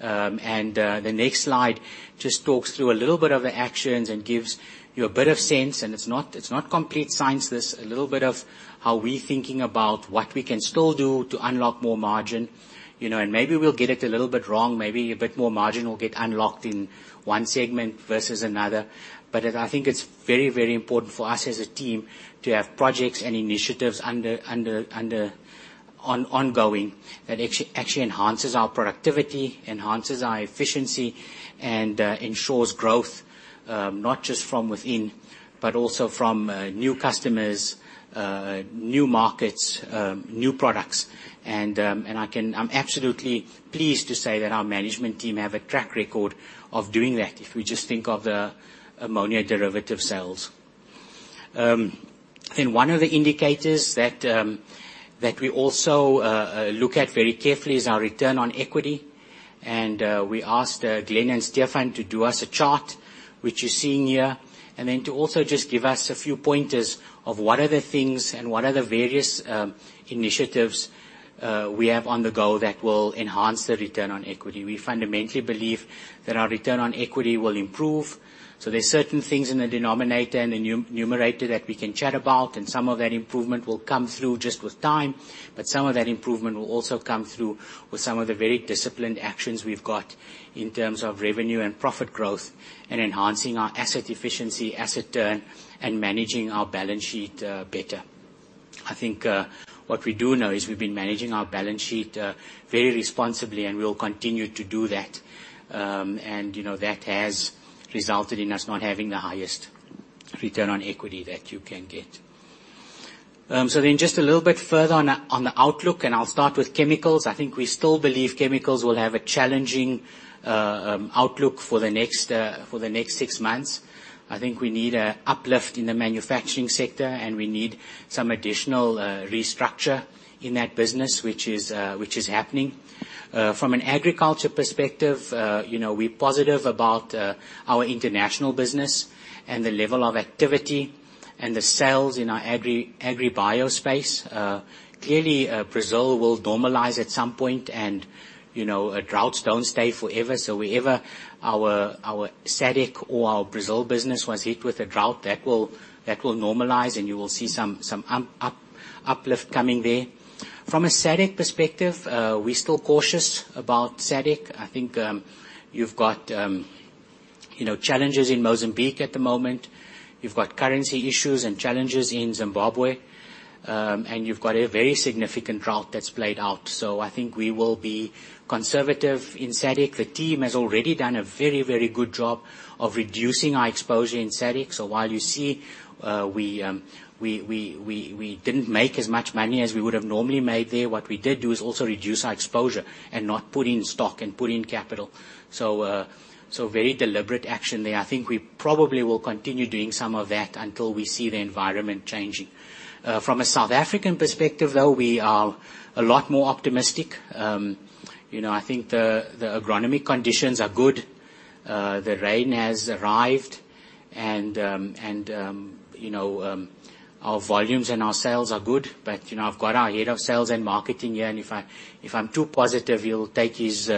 The next slide just talks through a little bit of the actions and gives you a bit of sense, and it's not complete science. This is a little bit of how we're thinking about what we can still do to unlock more margin. Maybe we'll get it a little bit wrong. Maybe a bit more margin will get unlocked in one segment versus another. But I think it's very, very important for us as a team to have projects and initiatives ongoing that actually enhances our productivity, enhances our efficiency, and ensures growth, not just from within, but also from new customers, new markets, new products. And I'm absolutely pleased to say that our management team have a track record of doing that if we just think of the ammonia derivative sales. And one of the indicators that we also look at very carefully is our return on equity. And we asked Glen and Stephan to do us a chart, which you're seeing here, and then to also just give us a few pointers of what are the things and what are the various initiatives we have on the go that will enhance the return on equity. We fundamentally believe that our return on equity will improve. There are certain things in the denominator and the numerator that we can chat about, and some of that improvement will come through just with time, but some of that improvement will also come through with some of the very disciplined actions we've got in terms of revenue and profit growth and enhancing our asset efficiency, asset turn, and managing our balance sheet better. I think what we do know is we've been managing our balance sheet very responsibly, and we'll continue to do that. And that has resulted in us not having the highest return on equity that you can get. Then just a little bit further on the outlook, and I'll start with Chemicals. I think we still believe Chemicals will have a challenging outlook for the next six months. I think we need an uplift in the manufacturing sector, and we need some additional restructure in that business, which is happening. From an agriculture perspective, we're positive about our international business and the level of activity and the sales in our AgriBio space. Clearly, Brazil will normalize at some point, and a drought don't stay forever. So whenever our SADC or our Brazil business was hit with a drought, that will normalize, and you will see some uplift coming there. From a SADC perspective, we're still cautious about SADC. I think you've got challenges in Mozambique at the moment. You've got currency issues and challenges in Zimbabwe, and you've got a very significant drought that's played out. So I think we will be conservative in SADC. The team has already done a very, very good job of reducing our exposure in SADC. So while you see we didn't make as much money as we would have normally made there, what we did do is also reduce our exposure and not put in stock and put in capital. So very deliberate action there. I think we probably will continue doing some of that until we see the environment changing. From a South African perspective, though, we are a lot more optimistic. I think the agronomic conditions are good. The rain has arrived, and our volumes and our sales are good. But I've got our head of sales and marketing here, and if I'm too positive, he'll take his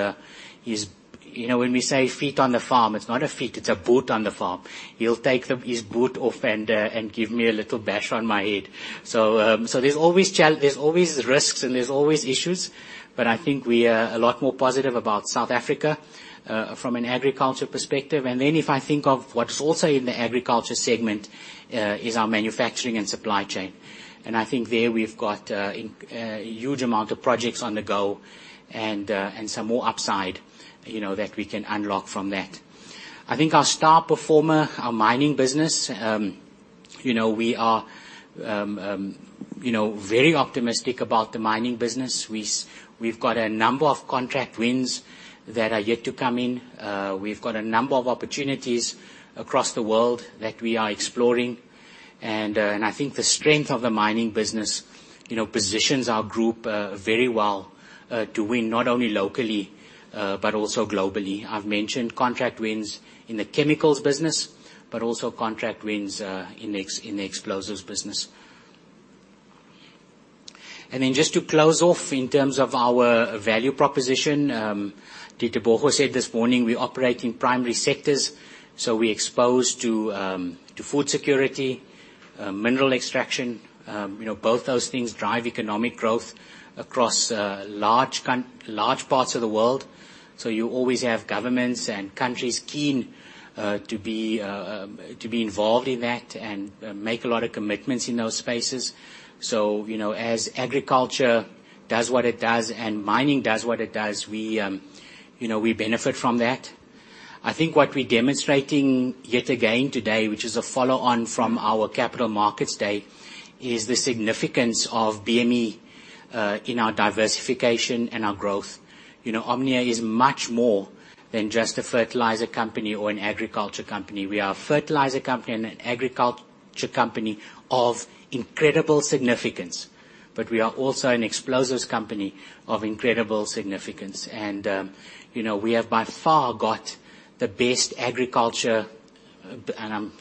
when we say feet on the farm, it's not a feet, it's a boot on the farm. He'll take his boot off and give me a little bash on my head. So, there’s always risks, and there’s always issues, but I think we are a lot more positive about South Africa from an agriculture perspective. And then if I think of what’s also in the agriculture segment is our manufacturing and supply chain. And I think there we’ve got a huge amount of projects on the go and some more upside that we can unlock from that. I think our star performer, our Mining business, we are very optimistic about the Mining business. We’ve got a number of contract wins that are yet to come in. We’ve got a number of opportunities across the world that we are exploring. And I think the strength of the Mining business positions our group very well to win not only locally but also globally. I’ve mentioned contract wins in the Chemicals business, but also contract wins in the explosives business. Then, just to close off in terms of our value proposition, Dr. Eboka said this morning, we operate in primary sectors, so we're exposed to food security, mineral extraction. Both those things drive economic growth across large parts of the world. So you always have governments and countries keen to be involved in that and make a lot of commitments in those spaces. So as agriculture does what it does and mining does what it does, we benefit from that. I think what we're demonstrating yet again today, which is a follow-on from our capital markets day, is the significance of BME in our diversification and our growth. Omnia is much more than just a fertilizer company or an agriculture company. We are a fertilizer company and an agriculture company of incredible significance, but we are also an explosives company of incredible significance. We have by far got the best agriculture, and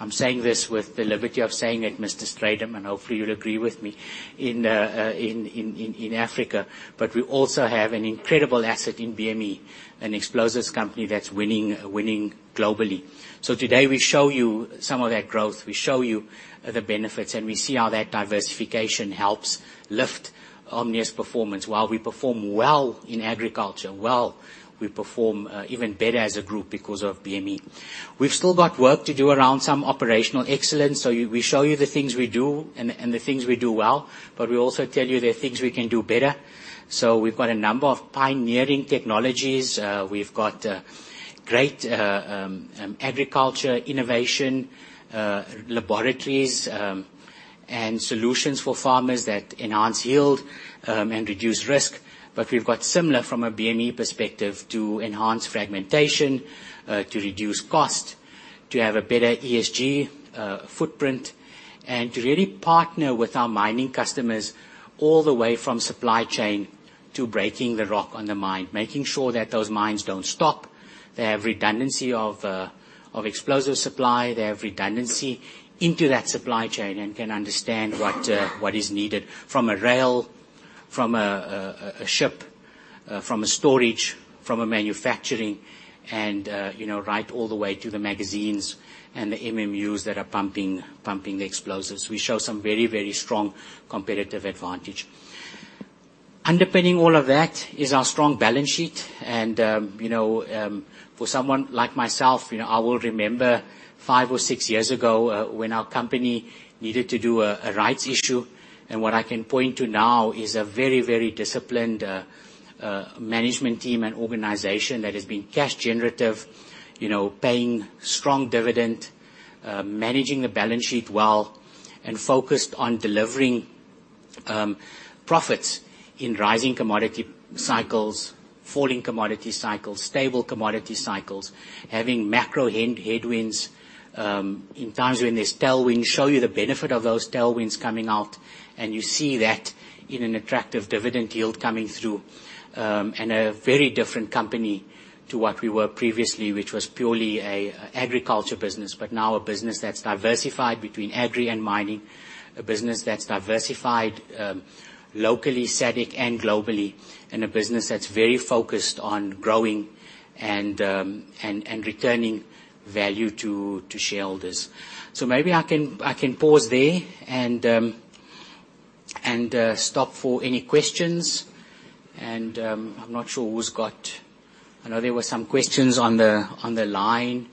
I'm saying this with the liberty of saying it, Mr. Strydom, and hopefully you'll agree with me, in Africa. We also have an incredible asset in BME, an explosives company that's winning globally. Today we show you some of that growth. We show you the benefits, and we see how that diversification helps lift Omnia's performance. While we perform well in agriculture, we perform even better as a group because of BME. We've still got work to do around some operational excellence. We show you the things we do and the things we do well, but we also tell you there are things we can do better. We've got a number of pioneering technologies. We've got great agriculture innovation laboratories and solutions for farmers that enhance yield and reduce risk. But we've got similar from a BME perspective to enhance fragmentation, to reduce cost, to have a better ESG footprint, and to really partner with our mining customers all the way from supply chain to breaking the rock on the mine, making sure that those mines don't stop. They have redundancy of explosive supply. They have redundancy into that supply chain and can understand what is needed from a rail, from a ship, from a storage, from a manufacturing, and right all the way to the magazines and the MMUs that are pumping the explosives. We show some very, very strong competitive advantage. Underpinning all of that is our strong balance sheet. And for someone like myself, I will remember five or six years ago when our company needed to do a rights issue. And what I can point to now is a very, very disciplined management team and organization that has been cash generative, paying strong dividend, managing the balance sheet well, and focused on delivering profits in rising commodity cycles, falling commodity cycles, stable commodity cycles, having macro headwinds in times when there's tailwinds, show you the benefit of those tailwinds coming out, and you see that in an attractive dividend yield coming through. And a very different company to what we were previously, which was purely an agriculture business, but now a business that's diversified between Agri and Mining, a business that's diversified locally, SADC, and globally, and a business that's very focused on growing and returning value to shareholders. So maybe I can pause there and stop for any questions. And I'm not sure who's got. I know there were some questions on the line.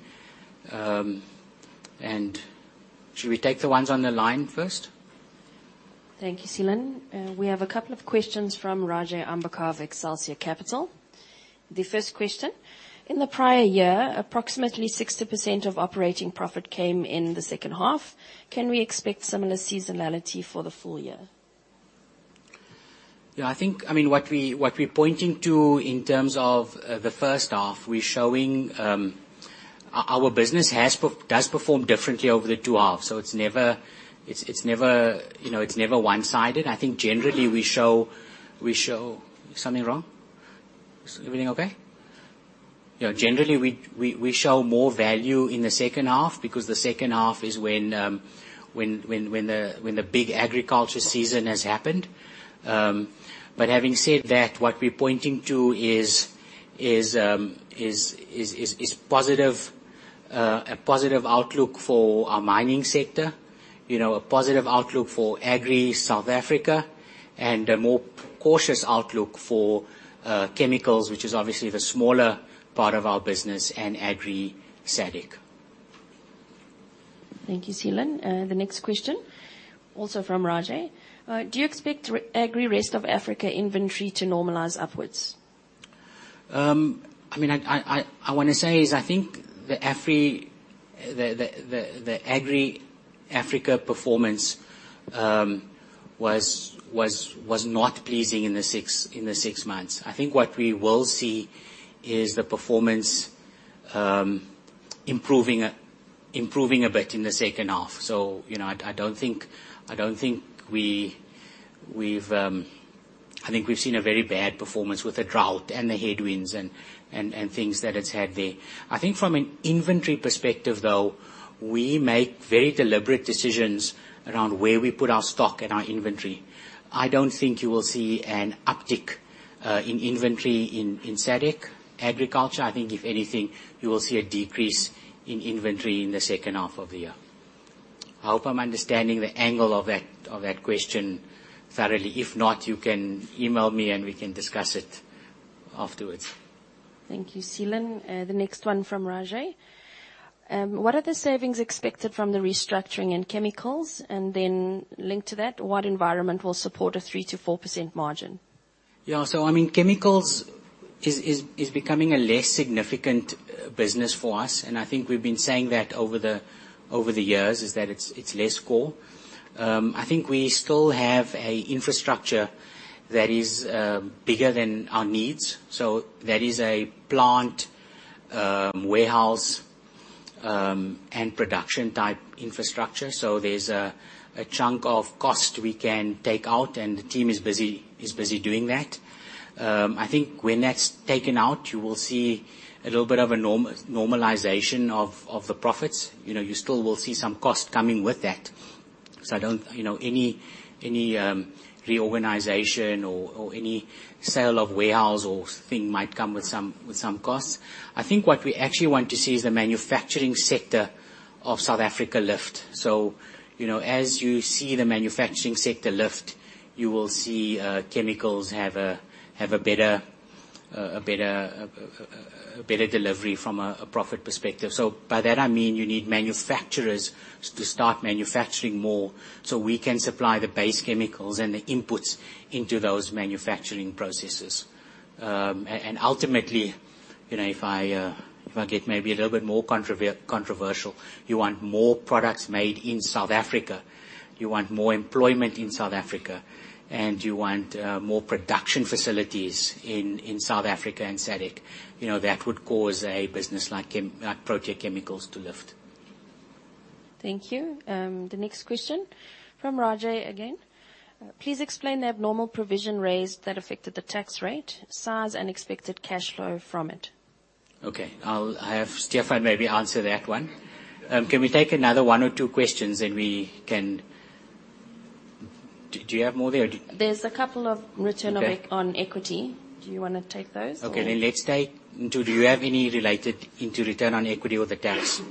Should we take the ones on the line first? Thank you, Seelan. We have a couple of questions from Rajay Ambekar with Excelsia Capital. The first question. In the prior year, approximately 60% of operating profit came in the second half. Can we expect similar seasonality for the full year? Yeah, I think, I mean, what we're pointing to in terms of the first half, we're showing our business does perform differently over the two halves. So it's never one-sided. I think generally we show something wrong. Is everything okay? Yeah, generally we show more value in the second half because the second half is when the big agriculture season has happened. But having said that, what we're pointing to is a positive outlook for our mining sector, a positive outlook for Agri South Africa, and a more cautious outlook for Chemicals, which is obviously the smaller part of our business and Agri SADC. Thank you, Seelan. The next question, also from Rajay. Do you expect Agri Rest of Africa inventory to normalize upwards? I mean, I want to say is I think the Agri Africa performance was not pleasing in the six months. I think what we will see is the performance improving a bit in the second half. So I don't think we've seen a very bad performance with the drought and the headwinds and things that it's had there. I think from an inventory perspective, though, we make very deliberate decisions around where we put our stock and our inventory. I don't think you will see an uptick in inventory in SADC agriculture. I think if anything, you will see a decrease in inventory in the second half of the year. I hope I'm understanding the angle of that question thoroughly. If not, you can email me and we can discuss it afterwards. Thank you, Seelan. The next one from Rajay. What are the savings expected from the restructuring in Chemicals? And then linked to that, what environment will support a 3%-4% margin? Yeah, so I mean, Chemicals is becoming a less significant business for us. And I think we've been saying that over the years is that it's less core. I think we still have an infrastructure that is bigger than our needs. So that is a plant, warehouse, and production type infrastructure. So there's a chunk of cost we can take out, and the team is busy doing that. I think when that's taken out, you will see a little bit of a normalization of the profits. You still will see some cost coming with that. So I don't think any reorganization or any sale of warehouse or thing might come with some costs. I think what we actually want to see is the manufacturing sector of South Africa lift. So as you see the manufacturing sector lift, you will see Chemicals have a better delivery from a profit perspective. So by that, I mean you need manufacturers to start manufacturing more so we can supply the base chemicals and the inputs into those manufacturing processes. And ultimately, if I get maybe a little bit more controversial, you want more products made in South Africa, you want more employment in South Africa, and you want more production facilities in South Africa and SADC. That would cause a business like Protea Chemicals to lift. Thank you. The next question from Rajay again. Please explain the abnormal provision raised that affected the tax rate, SARS, and expected cash flow from it. Okay. I'll have Stephan maybe answer that one. Can we take another one or two questions and we can do you have more there? There's a couple of return on equity. Do you want to take those? Okay. Then let's take do you have any related to return on equity or the tax?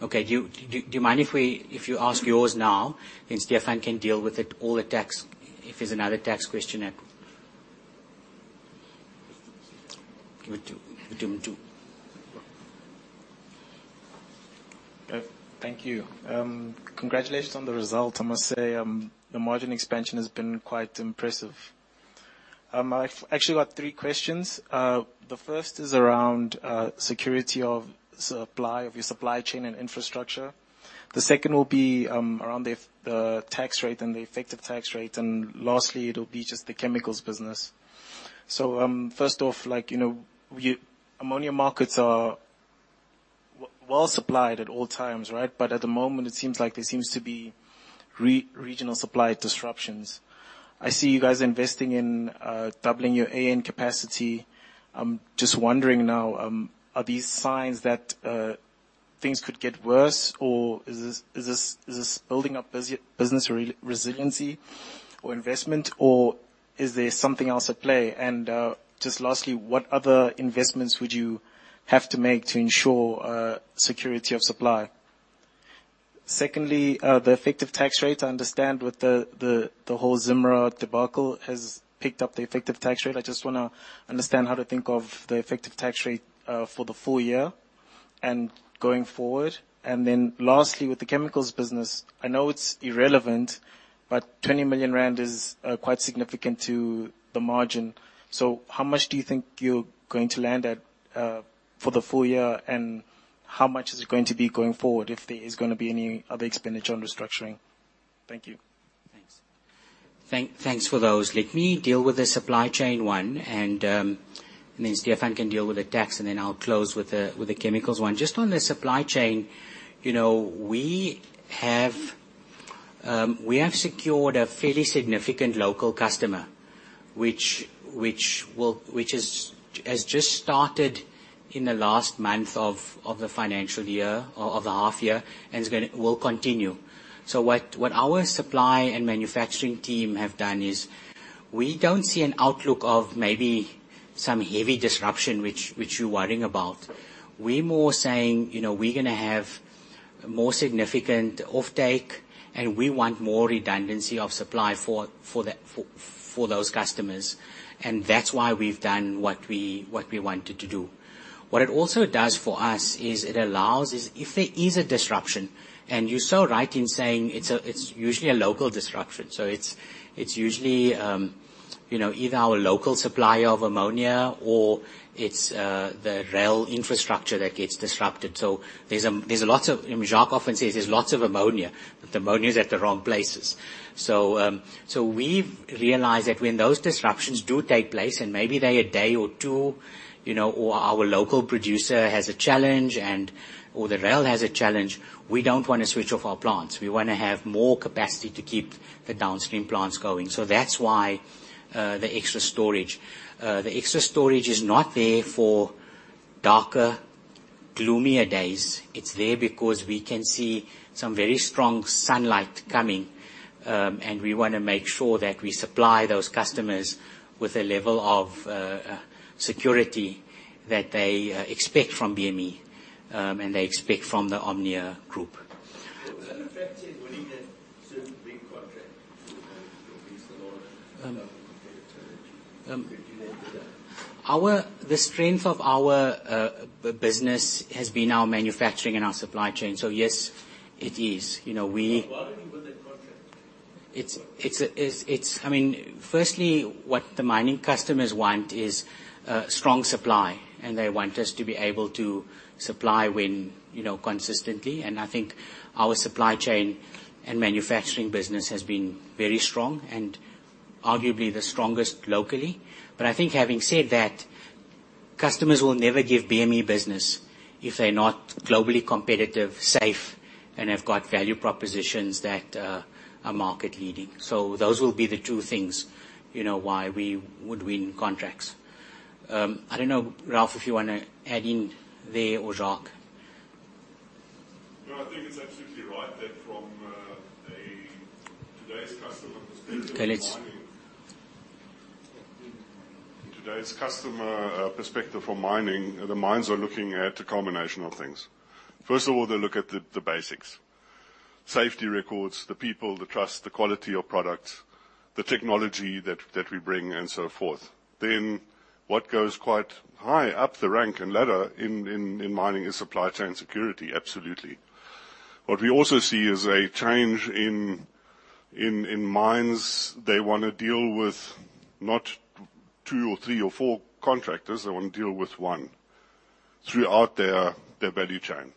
Okay. Do you mind if you ask yours now and Stephan can deal with it all the tax if there's another tax question? Thank you. Congratulations on the result. I must say the margin expansion has been quite impressive. I've actually got three questions. The first is around security of your supply chain and infrastructure. The second will be around the tax rate and the effective tax rate. And lastly, it'll be just the Chemicals business. So first off, ammonia markets are well supplied at all times, right? But at the moment, it seems like there seems to be regional supply disruptions. I see you guys investing in doubling your AN capacity. I'm just wondering now, are these signs that things could get worse or is this building up business resiliency or investment or is there something else at play? And just lastly, what other investments would you have to make to ensure security of supply? Secondly, the effective tax rate, I understand with the whole ZIMRA debacle has picked up the effective tax rate. I just want to understand how to think of the effective tax rate for the full year and going forward. And then lastly, with the Chemicals business, I know it's irrelevant, but 20 million rand is quite significant to the margin. So how much do you think you're going to land at for the full year and how much is it going to be going forward if there is going to be any other expenditure on restructuring? Thank you. Thanks. Thanks for those. Let me deal with the supply chain one and then Stephan can deal with the tax and then I'll close with the chemicals one. Just on the supply chain, we have secured a fairly significant local customer, which has just started in the last month of the financial year or of the half year and will continue. So what our supply and manufacturing team have done is we don't see an outlook of maybe some heavy disruption which you're worrying about. We're more saying we're going to have more significant offtake and we want more redundancy of supply for those customers. And that's why we've done what we wanted to do. What it also does for us is it allows if there is a disruption and you saw right in saying it's usually a local disruption. So it's usually either our local supplier of ammonia or it's the rail infrastructure that gets disrupted. So there's a lot of, Jacques often says, there's lots of ammonia, but the ammonia is at the wrong places. So we've realized that when those disruptions do take place and maybe they're a day or two or our local producer has a challenge or the rail has a challenge, we don't want to switch off our plants. We want to have more capacity to keep the downstream plants going. So that's why the extra storage. The extra storage is not there for darker, gloomier days. It's there because we can see some very strong sunlight coming and we want to make sure that we supply those customers with a level of security that they expect from BME and they expect from the Omnia Group. The strength of our business has been our manufacturing and our supply chain. So yes, it is. Why did you win that contract? I mean, firstly, what the mining customers want is strong supply and they want us to be able to supply consistently. And I think our supply chain and manufacturing business has been very strong and arguably the strongest locally. But I think having said that, customers will never give BME business if they're not globally competitive, safe, and have got value propositions that are market-leading. So those will be the two things why we would win contracts. I don't know, Ralf, if you want to add in there or Jacques. No, I think it's absolutely right that from a today's customer perspective, from today's customer perspective for mining, the mines are looking at a combination of things. First of all, they look at the basics: safety records, the people, the trust, the quality of products, the technology that we bring, and so forth. Then what goes quite high up the rank and ladder in mining is supply chain security, absolutely. What we also see is a change in mines. They want to deal with not two or three or four contractors. They want to deal with one throughout their value chain.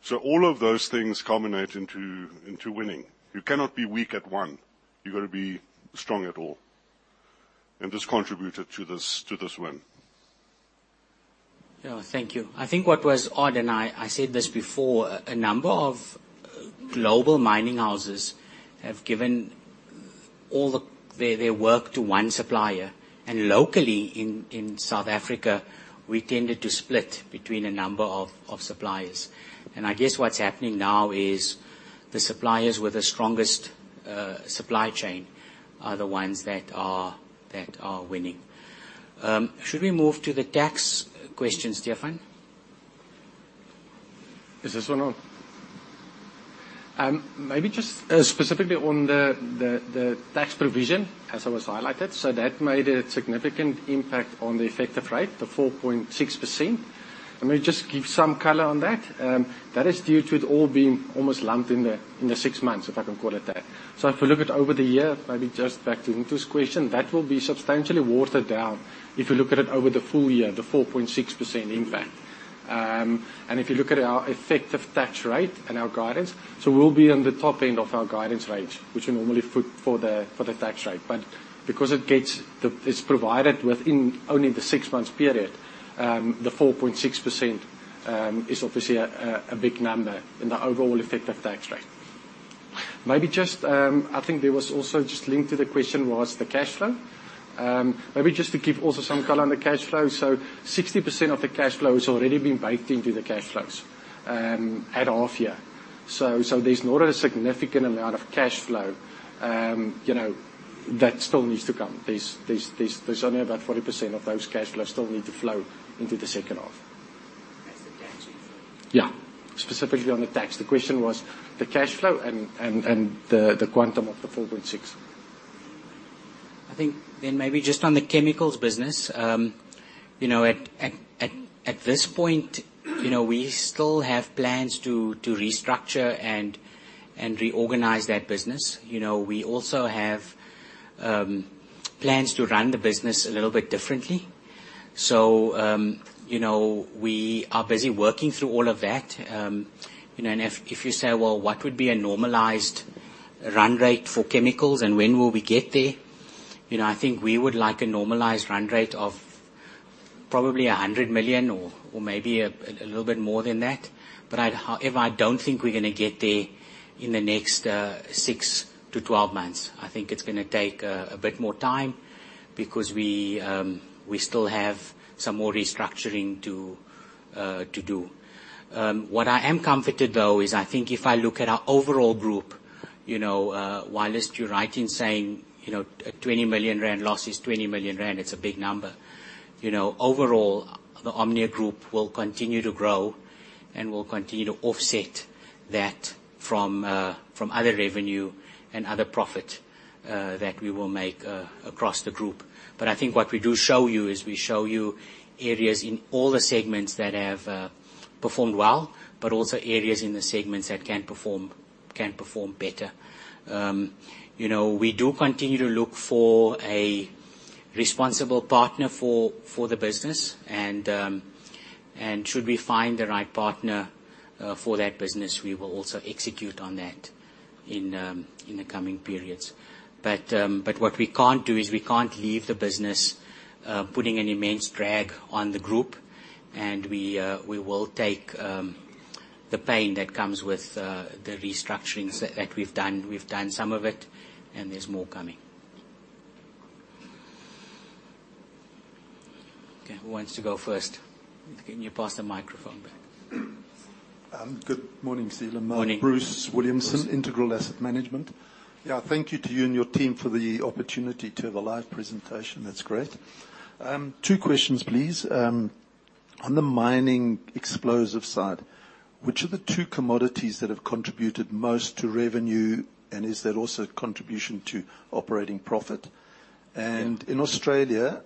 So all of those things culminate into winning. You cannot be weak at one. You've got to be strong at all. And this contributed to this win. Yeah, thank you. I think what was odd, and I said this before, a number of global mining houses have given all their work to one supplier. And locally in South Africa, we tended to split between a number of suppliers. And I guess what's happening now is the suppliers with the strongest supply chain are the ones that are winning. Should we move to the tax questions, Stephan? Is this one on? Maybe just specifically on the tax provision, as was highlighted. So that made a significant impact on the effective rate, the 4.6%. Let me just give some color on that. That is due to it all being almost lumped in the six months, if I can call it that, so if we look at over the year, maybe just back to this question, that will be substantially watered down if you look at it over the full year, the 4.6% impact, and if you look at our effective tax rate and our guidance, so we'll be on the top end of our guidance range, which we normally aim for the tax rate, but because it's provided within only the six months period, the 4.6% is obviously a big number in the overall effective tax rate. Maybe just I think there was also just linked to the question was the cash flow. Maybe just to give also some color on the cash flow. 60% of the cash flow has already been baked into the cash flows at half year. So there's not a significant amount of cash flow that still needs to come. There's only about 40% of those cash flows still need to flow into the second half. Yeah. Specifically on the tax. The question was the cash flow and the quantum of the 4.6? I think then maybe just on the Chemicals business, at this point, we still have plans to restructure and reorganize that business. We also have plans to run the business a little bit differently. So we are busy working through all of that. And if you say, "Well, what would be a normalized run rate for chemicals and when will we get there?" I think we would like a normalized run rate of probably R100 million or maybe a little bit more than that. But if I don't think we're going to get there in the next 6 months-12 months, I think it's going to take a bit more time because we still have some more restructuring to do. What I am comforted, though, is I think if I look at our overall group, while you're writing saying 20 million rand loss is 20 million rand, it's a big number. Overall, the Omnia Group will continue to grow and will continue to offset that from other revenue and other profit that we will make across the group. But I think what we do show you is we show you areas in all the segments that have performed well, but also areas in the segments that can perform better. We do continue to look for a responsible partner for the business. And should we find the right partner for that business, we will also execute on that in the coming periods. But what we can't do is we can't leave the business putting an immense drag on the group. And we will take the pain that comes with the restructurings that we've done. We've done some of it, and there's more coming. Okay. Who wants to go first? Can you pass the microphone back? Good morning, Seelan. Bruce Williamson, Integral Asset Management. Yeah. Thank you to you and your team for the opportunity to have a live presentation. That's great. Two questions, please. On the mining explosive side, which are the two commodities that have contributed most to revenue, and is that also a contribution to operating profit? And in Australia,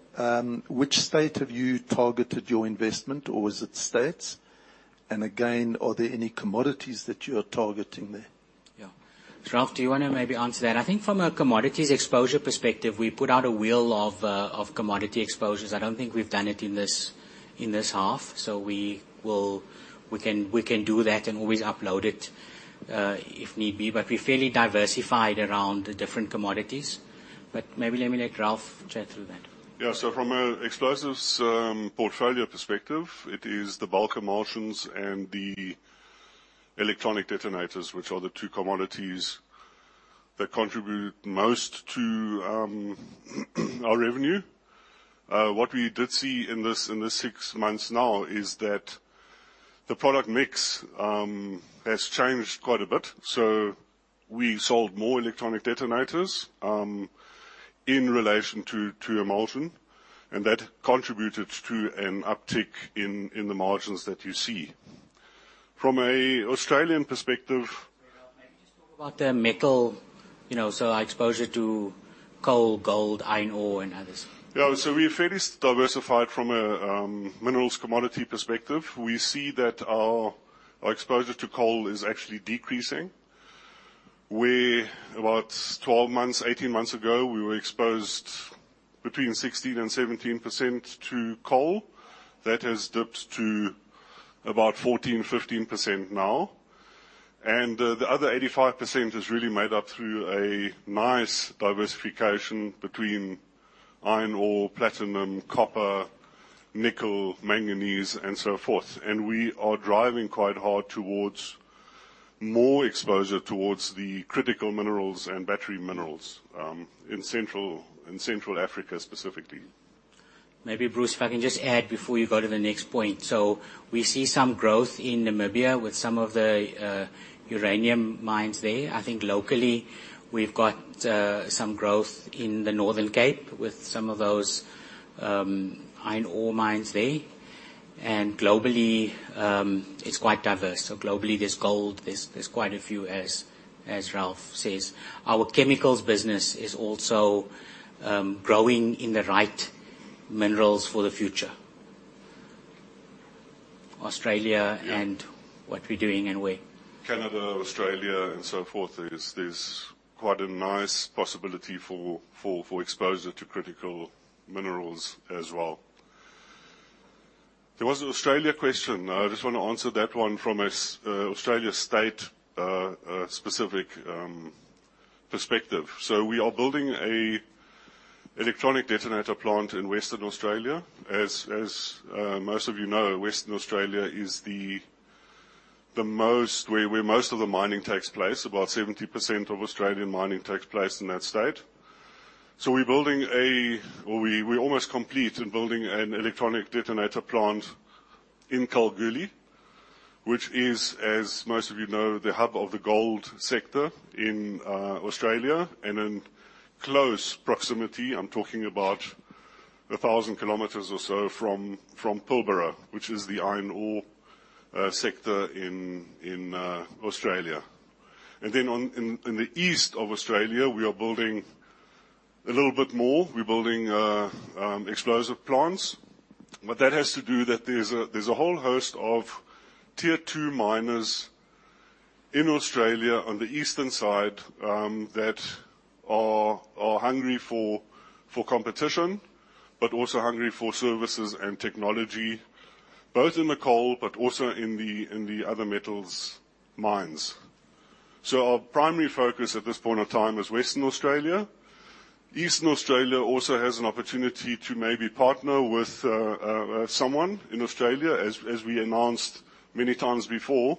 which state have you targeted your investment, or is it states? And again, are there any commodities that you are targeting there? Yeah. Ralf, do you want to maybe answer that? I think from a commodities exposure perspective, we put out a wheel of commodity exposures. I don't think we've done it in this half. So we can do that and always upload it if need be. But we're fairly diversified around the different commodities. But maybe let me let Ralf chat through that. Yeah. So from an explosives portfolio perspective, it is the bulk emulsions and the electronic detonators, which are the two commodities that contribute most to our revenue. What we did see in this six months now is that the product mix has changed quite a bit. So we sold more electronic detonators in relation to emulsion, and that contributed to an uptick in the margins that you see. From an Australian perspective, Maybe just talk about the metals. So our exposure to coal, gold, iron ore, and others. Yeah. So we're fairly diversified from a mineral commodity perspective. We see that our exposure to coal is actually decreasing. About 12 months, 18 months ago, we were exposed between 16% and 17% to coal. That has dipped to about 14%-15% now. And the other 85% is really made up through a nice diversification between iron ore, platinum, copper, nickel, manganese, and so forth. And we are driving quite hard towards more exposure towards the critical minerals and battery minerals in Central Africa specifically. Maybe Bruce, if I can just add before you go to the next point. So we see some growth in Namibia with some of the uranium mines there. I think locally we've got some growth in the Northern Cape with some of those iron ore mines there, and globally, it's quite diverse, so globally, there's gold. There's quite a few, as Ralph says. Our Chemicals business is also growing in the right minerals for the future. Australia and what we're doing and where. Canada, Australia, and so forth, there's quite a nice possibility for exposure to critical minerals as well. There was an Australia question. I just want to answer that one from an Australian state-specific perspective. So we are building an electronic detonator plant in Western Australia. As most of you know, Western Australia is the most where most of the mining takes place. About 70% of Australian mining takes place in that state. We're building a, or we're almost complete in building an electronic detonator plant in Kalgoorlie, which is, as most of you know, the hub of the gold sector in Australia. And in close proximity, I'm talking about 1,000 km or so from Pilbara, which is the iron ore sector in Australia. And then in the east of Australia, we are building a little bit more. We're building explosive plants. But that has to do that there's a whole host of tier two miners in Australia on the eastern side that are hungry for competition, but also hungry for services and technology, both in the coal, but also in the other metals mines. Our primary focus at this point of time is Western Australia. Eastern Australia also has an opportunity to maybe partner with someone in Australia. As we announced many times before,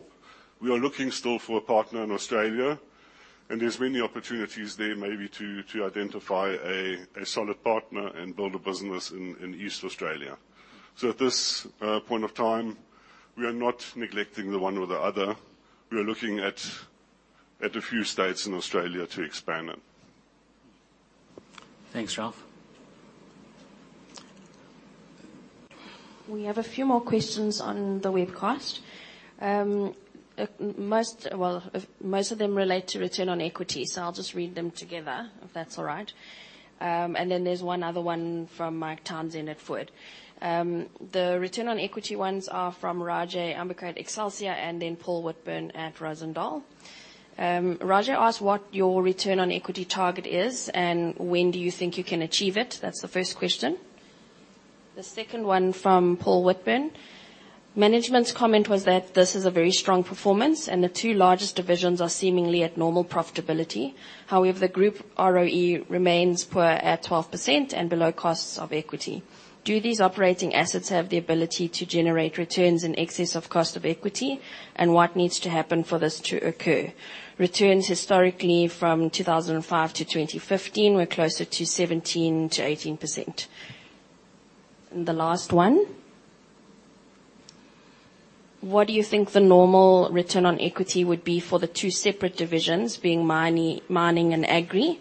we are looking still for a partner in Australia. And there's many opportunities there maybe to identify a solid partner and build a business in East Australia. So at this point of time, we are not neglecting the one or the other. We are looking at a few states in Australia to expand it. Thanks, Ralf. We have a few more questions on the webcast. Well, most of them relate to return on equity. So I'll just read them together, if that's all right. And then there's one other one from Mark Townsend at Foord. The return on equity ones are from Rajay Ambekar, Excelsia, and then Paul Woodburne at Rozendal. Rajay asked what your return on equity target is and when do you think you can achieve it. That's the first question. The second one from Paul Woodburne. Management's comment was that this is a very strong performance and the two largest divisions are seemingly at normal profitability. However, the group ROE remains poor at 12% and below costs of equity. Do these operating assets have the ability to generate returns in excess of cost of equity? And what needs to happen for this to occur? Returns historically from 2005-2015 were closer to 17%-18%. And the last one. What do you think the normal return on equity would be for the two separate divisions being mining and agri?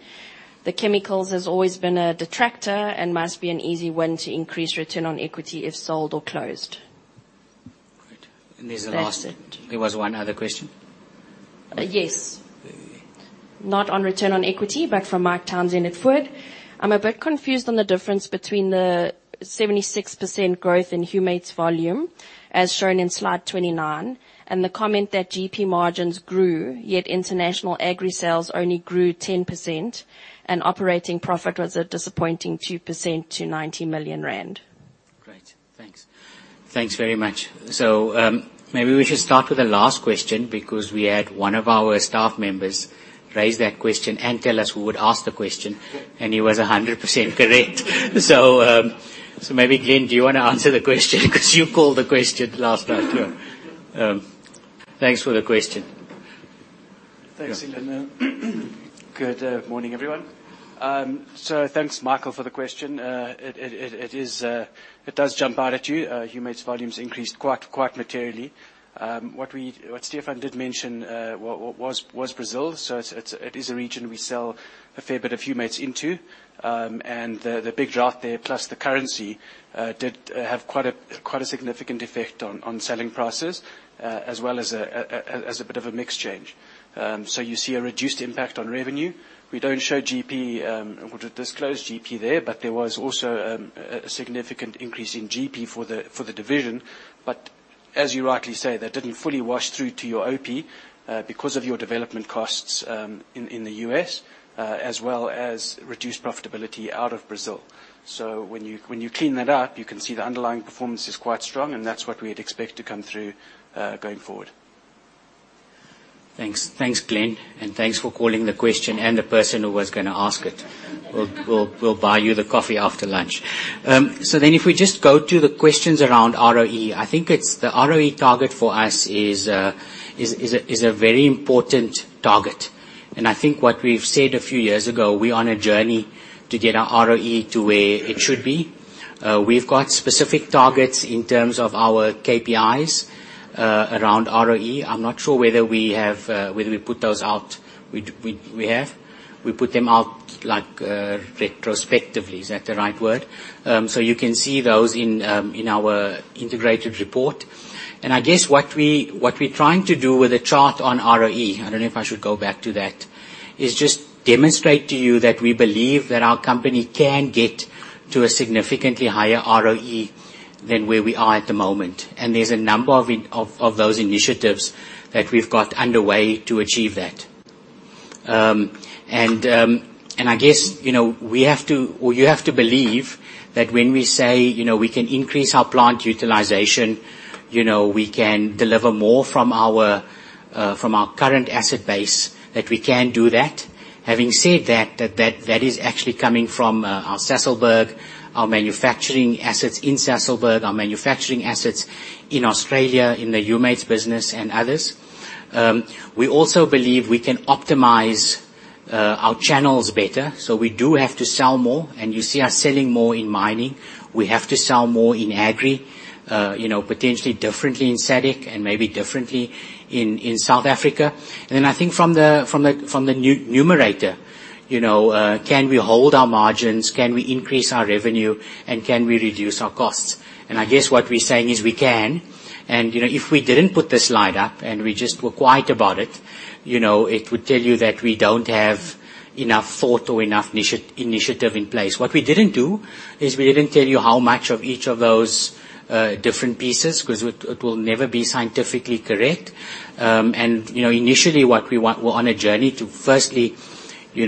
The chemicals has always been a detractor and must be an easy one to increase return on equity if sold or closed. And there's a last one. There was one other question. Yes. Not on return on equity, but from Mark Townsend at Foord. I'm a bit confused on the difference between the 76% growth in humates volume, as shown in slide 29, and the comment that GP margins grew, yet international agri sales only grew 10% and operating profit was a disappointing 2% to 90 million rand. Great. Thanks. Thanks very much. So maybe we should start with the last question because we had one of our staff members raise that question and tell us who would ask the question. And he was 100% correct. So maybe Glen, do you want to answer the question because you called the question last night? Thanks for the question. Thanks, Seelan. Good morning, everyone. So thanks, Michael, for the question. It does jump out at you. Humates volumes increased quite materially. What Stephan did mention was Brazil. So it is a region we sell a fair bit of humates into. The big drought there, plus the currency, did have quite a significant effect on selling prices as well as a bit of a mixed change. So you see a reduced impact on revenue. We don't show GP or disclose GP there, but there was also a significant increase in GP for the division. But as you rightly say, that didn't fully wash through to your OP because of your development costs in the U.S., as well as reduced profitability out of Brazil. So when you clean that up, you can see the underlying performance is quite strong, and that's what we'd expect to come through going forward. Thanks, Glen. And thanks for calling the question and the person who was going to ask it. We'll buy you the coffee after lunch. So then if we just go to the questions around ROE, I think the ROE target for us is a very important target. And I think what we've said a few years ago, we're on a journey to get our ROE to where it should be. We've got specific targets in terms of our KPIs around ROE. I'm not sure whether we put those out. We have. We put them out retrospectively. Is that the right word? So you can see those in our integrated report. And I guess what we're trying to do with the chart on ROE, I don't know if I should go back to that, is just demonstrate to you that we believe that our company can get to a significantly higher ROE than where we are at the moment. And there's a number of those initiatives that we've got underway to achieve that. I guess we have to, or you have to believe that when we say we can increase our plant utilization, we can deliver more from our current asset base, that we can do that. Having said that, that is actually coming from our Sasolburg, our manufacturing assets in Sasolburg, our manufacturing assets in Australia, in the humates business and others. We also believe we can optimize our channels better. So we do have to sell more. And you see us selling more in mining. We have to sell more in agri, potentially differently in SADC and maybe differently in South Africa. And then I think from the numerator, can we hold our margins? Can we increase our revenue? And can we reduce our costs? And I guess what we're saying is we can. And if we didn't put the slide up and we just were quiet about it, it would tell you that we don't have enough thought or enough initiative in place. What we didn't do is we didn't tell you how much of each of those different pieces because it will never be scientifically correct. And initially, we're on a journey to firstly get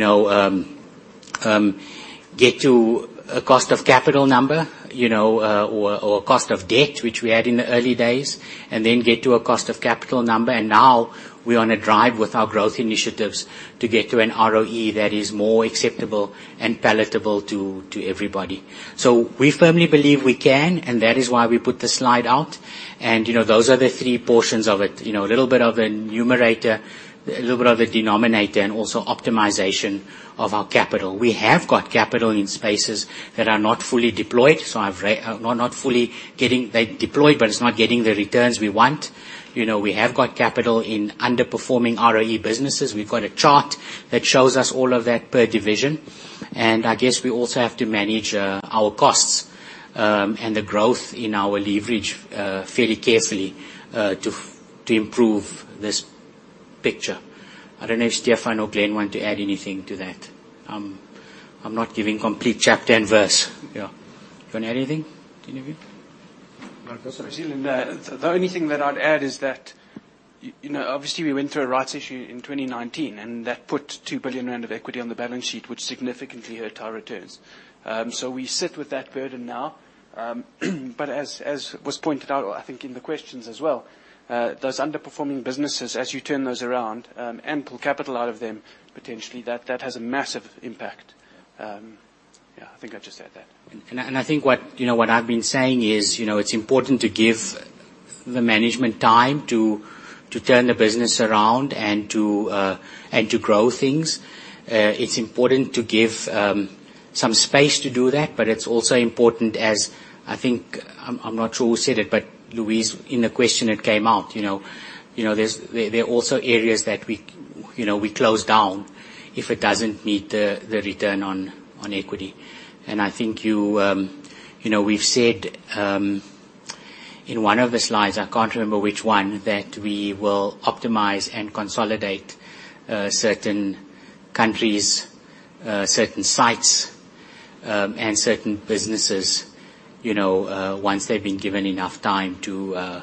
to a cost of capital number or a cost of debt, which we had in the early days, and then get to a cost of capital number. And now we're on a drive with our growth initiatives to get to an ROE that is more acceptable and palatable to everybody. So we firmly believe we can, and that is why we put the slide out. And those are the three portions of it. A little bit of a numerator, a little bit of a denominator, and also optimization of our capital. We have got capital in spaces that are not fully deployed, so not fully getting deployed, but it's not getting the returns we want. We have got capital in underperforming ROE businesses. We've got a chart that shows us all of that per division, and I guess we also have to manage our costs and the growth in our leverage fairly carefully to improve this picture. I don't know if Stefan or Glenn want to add anything to that. I'm not giving complete chapter and verse. Do you want to add anything? The only thing that I'd add is that obviously we went through a rights issue in 2019, and that put 2 billion rand of equity on the balance sheet, which significantly hurt our returns. So we sit with that burden now. But as was pointed out, I think in the questions as well, those underperforming businesses, as you turn those around and pull capital out of them, potentially, that has a massive impact. Yeah, I think I just said that. And I think what I've been saying is it's important to give the management time to turn the business around and to grow things. It's important to give some space to do that, but it's also important as I think I'm not sure who said it, but Louis, in the question that came out, there are also areas that we close down if it doesn't meet the return on equity. And I think we've said in one of the slides, I can't remember which one, that we will optimize and consolidate certain countries, certain sites, and certain businesses once they've been given enough time to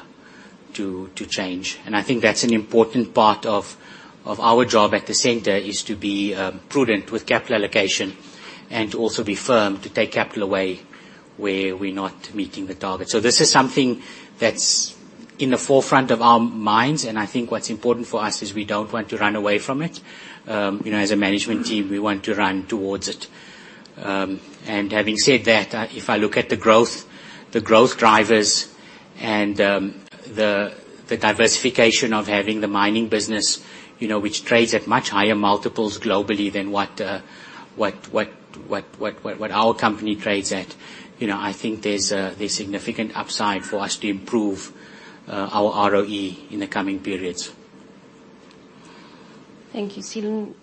change. And I think that's an important part of our job at the center is to be prudent with capital allocation and to also be firm to take capital away where we're not meeting the target. So this is something that's in the forefront of our minds. And I think what's important for us is we don't want to run away from it. As a management team, we want to run towards it. And having said that, if I look at the growth drivers and the diversification of having the mining business, which trades at much higher multiples globally than what our company trades at, I think there's significant upside for us to improve our ROE in the coming periods. Thank you. Seelan.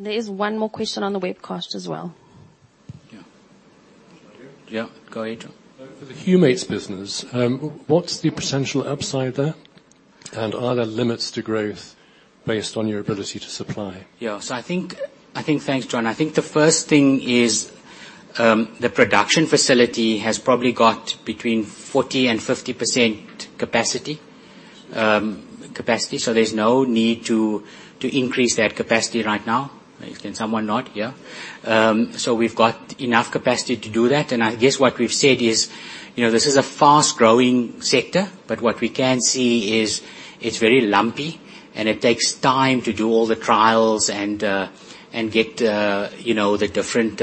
There is one more question on the webcast as well. Yeah. Yeah. Go ahead, John. For the humates business, what's the potential upside there? And are there limits to growth based on your ability to supply? Yeah. So I think, thanks, John. I think the first thing is the production facility has probably got between 40%-50% capacity. So there's no need to increase that capacity right now. Can someone nod? Yeah. So we've got enough capacity to do that. I guess what we've said is this is a fast-growing sector, but what we can see is it's very lumpy, and it takes time to do all the trials and get the different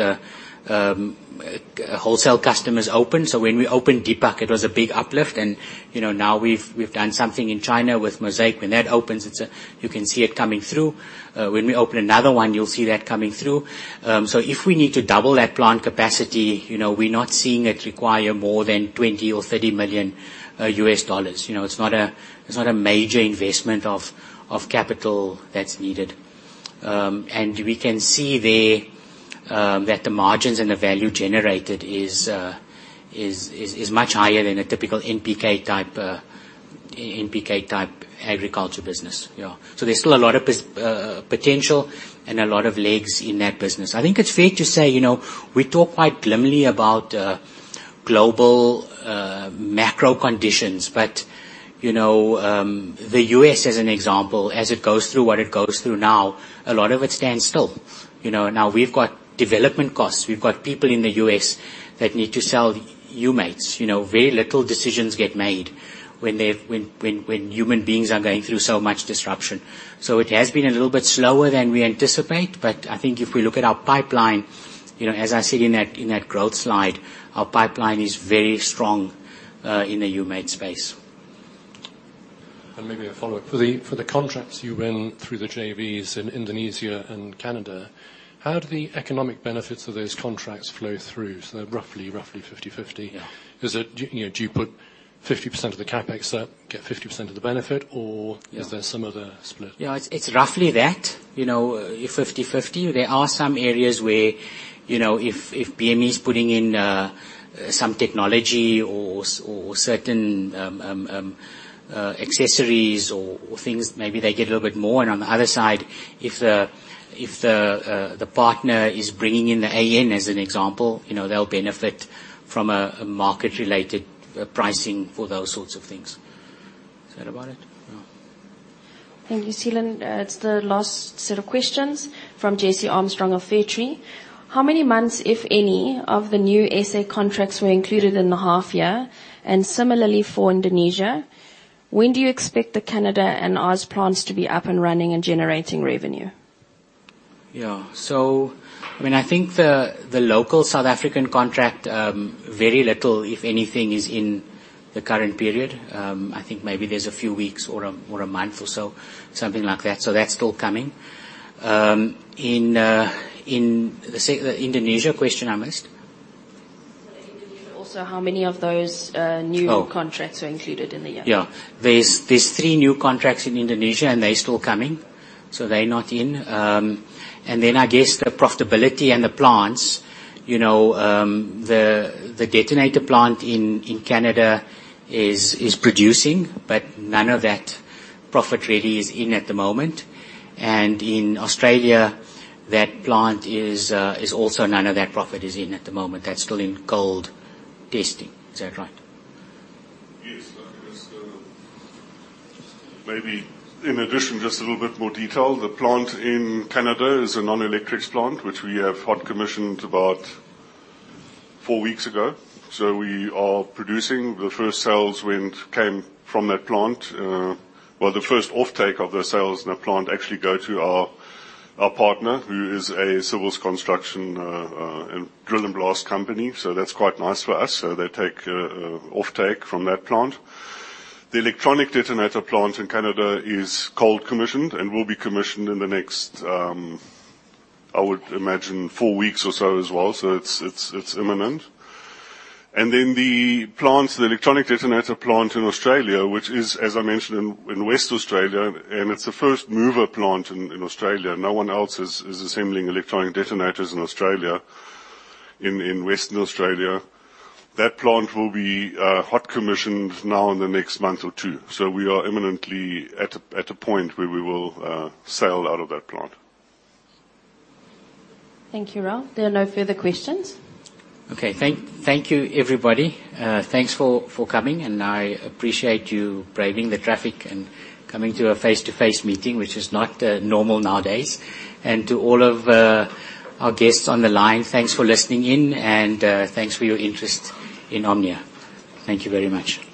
wholesale customers open. So when we opened Deepak, it was a big uplift. And now we've done something in China with Mosaic. When that opens, you can see it coming through. When we open another one, you'll see that coming through. So if we need to double that plant capacity, we're not seeing it require more than $20 million or $30 million. It's not a major investment of capital that's needed. And we can see there that the margins and the value generated is much higher than a typical NPK-type agriculture business. So there's still a lot of potential and a lot of legs in that business. I think it's fair to say we talk quite grimly about global macro conditions, but the U.S., as an example, as it goes through what it goes through now, a lot of it stands still. Now we've got development costs. We've got people in the U.S. that need to sell humates. Very little decisions get made when human beings are going through so much disruption. So it has been a little bit slower than we anticipate, but I think if we look at our pipeline, as I said in that growth slide, our pipeline is very strong in the humate space. And maybe a follow-up. For the contracts you ran through the JVs in Indonesia and Canada, how do the economic benefits of those contracts flow through? So roughly 50/50. Do you put 50% of the CapEx up, get 50% of the benefit, or is there some other split? Yeah. It's roughly that, 50/50. There are some areas where if BME is putting in some technology or certain accessories or things, maybe they get a little bit more. And on the other side, if the partner is bringing in the AN, as an example, they'll benefit from a market-related pricing for those sorts of things. Is that about it? No. Thank you, Seelan. It's the last set of questions from Jesse Armstrong of Fairtree. How many months, if any, of the new SA contracts were included in the half-year? And similarly for Indonesia, when do you expect the Canada and Aussie plants to be up and running and generating revenue? Yeah. So I mean, I think the local South African contract, very little, if anything, is in the current period. I think maybe there's a few weeks or a month or so, something like that. So that's still coming. In the Indonesia question, I missed. So the Indonesia, also, how many of those new contracts are included in the year? Yeah. There's three new contracts in Indonesia, and they're still coming. So they're not in. And then I guess the profitability and the plants, the detonator plant in Canada is producing, but none of that profit really is in at the moment. And in Australia, that plant is also none of that profit is in at the moment. That's still in cold testing. Is that right? Yes. Maybe in addition, just a little bit more detail. The plant in Canada is a non-electric plant, which we have hot commissioned about four weeks ago. So we are producing. The first sales came from that plant. Well, the first offtake of the sales in the plant actually go to our partner, who is a civil construction and drill and blast company. That's quite nice for us. They take offtake from that plant. The electronic detonator plant in Canada is cold commissioned and will be commissioned in the next, I would imagine, four weeks or so as well. It's imminent. Then the electronic detonator plant in Australia, which is, as I mentioned, in Western Australia, and it's the first mover plant in Australia. No one else is assembling electronic detonators in Western Australia. That plant will be hot commissioned now in the next month or two. We are imminently at a point where we will sell out of that plant. Thank you, Ralf. There are no further questions. Okay. Thank you, everybody. Thanks for coming. I appreciate you braving the traffic and coming to a face-to-face meeting, which is not normal nowadays. To all of our guests on the line, thanks for listening in, and thanks for your interest in Omnia. Thank you very much.